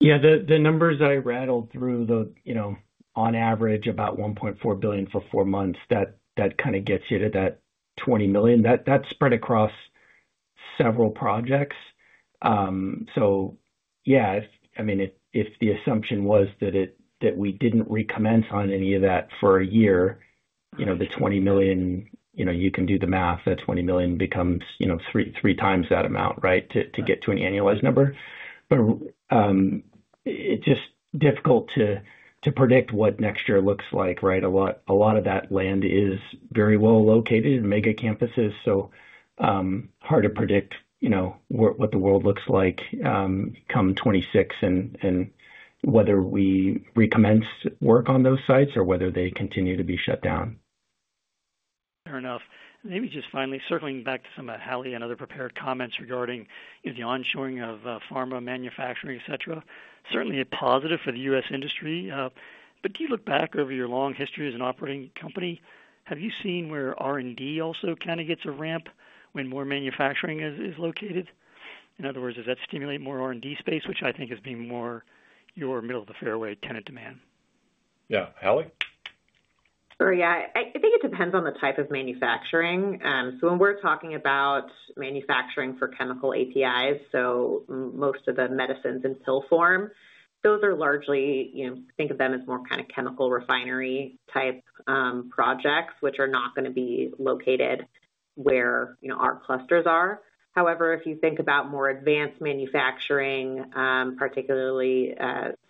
[SPEAKER 6] Yeah. The numbers I rattled through, though, on average, about $1.4 billion for four months, that kind of gets you to that $20 million. That's spread across several projects. Yeah, I mean, if the assumption was that we did not recommence on any of that for a year, the $20 million, you can do the math. That $20 million becomes three times that amount, right, to get to an annualized number. It is just difficult to predict what next year looks like, right? A lot of that land is very well located in mega campuses. Hard to predict what the world looks like come 2026 and whether we recommence work on those sites or whether they continue to be shut down.
[SPEAKER 16] Fair enough. Maybe just finally circling back to some Hallie Kuhn, SVP of Life Science and Capital Markets and other prepared comments regarding the onshoring of pharma manufacturing, etc., certainly a positive for the U.S., industry. Do you look back over your long history as an operating company, have you seen where R&D also kind of gets a ramp when more manufacturing is located? In other words, does that stimulate more R&D space, which I think is being more your middle of the fairway tenant demand?
[SPEAKER 3] Yeah. Hallie, SVP of Life Science and Capital Markets?
[SPEAKER 4] Sure. Yeah. I think it depends on the type of manufacturing. When we're talking about manufacturing for chemical APIs, so most of the medicines in pill form, those are largely, think of them as more kind of chemical refinery type projects, which are not going to be located where our clusters are. However, if you think about more advanced manufacturing, particularly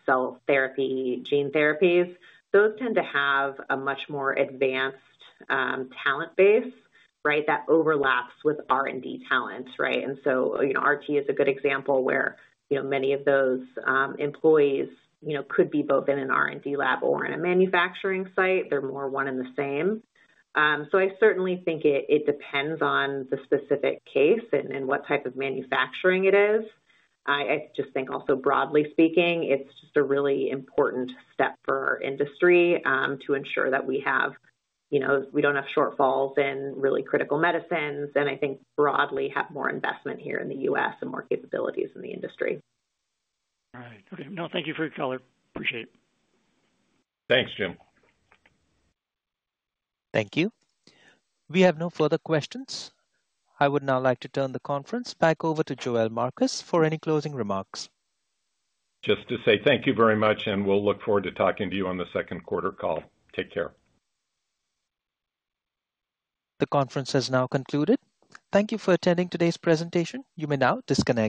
[SPEAKER 4] cell therapy, gene therapies, those tend to have a much more advanced talent base, right, that overlaps with R&D talents, right? R&D is a good example where many of those employees could be both in an R&D lab or in a manufacturing site. They're more one and the same. I certainly think it depends on the specific case and what type of manufacturing it is. I just think also broadly speaking, it's just a really important step for our industry to ensure that we do not have shortfalls in really critical medicines. I think broadly have more investment here in the U.S., and more capabilities in the industry.
[SPEAKER 16] All right. Okay. No, thank you for your color. Appreciate it.
[SPEAKER 3] Thanks, Jim.
[SPEAKER 1] Thank you. We have no further questions. I would now like to turn the conference back over to Joel Marcus for any closing remarks.
[SPEAKER 3] Just to say thank you very much. We'll look forward to talking to you on the second quarter call. Take care.
[SPEAKER 1] The conference has now concluded. Thank you for attending today's presentation. You may now disconnect.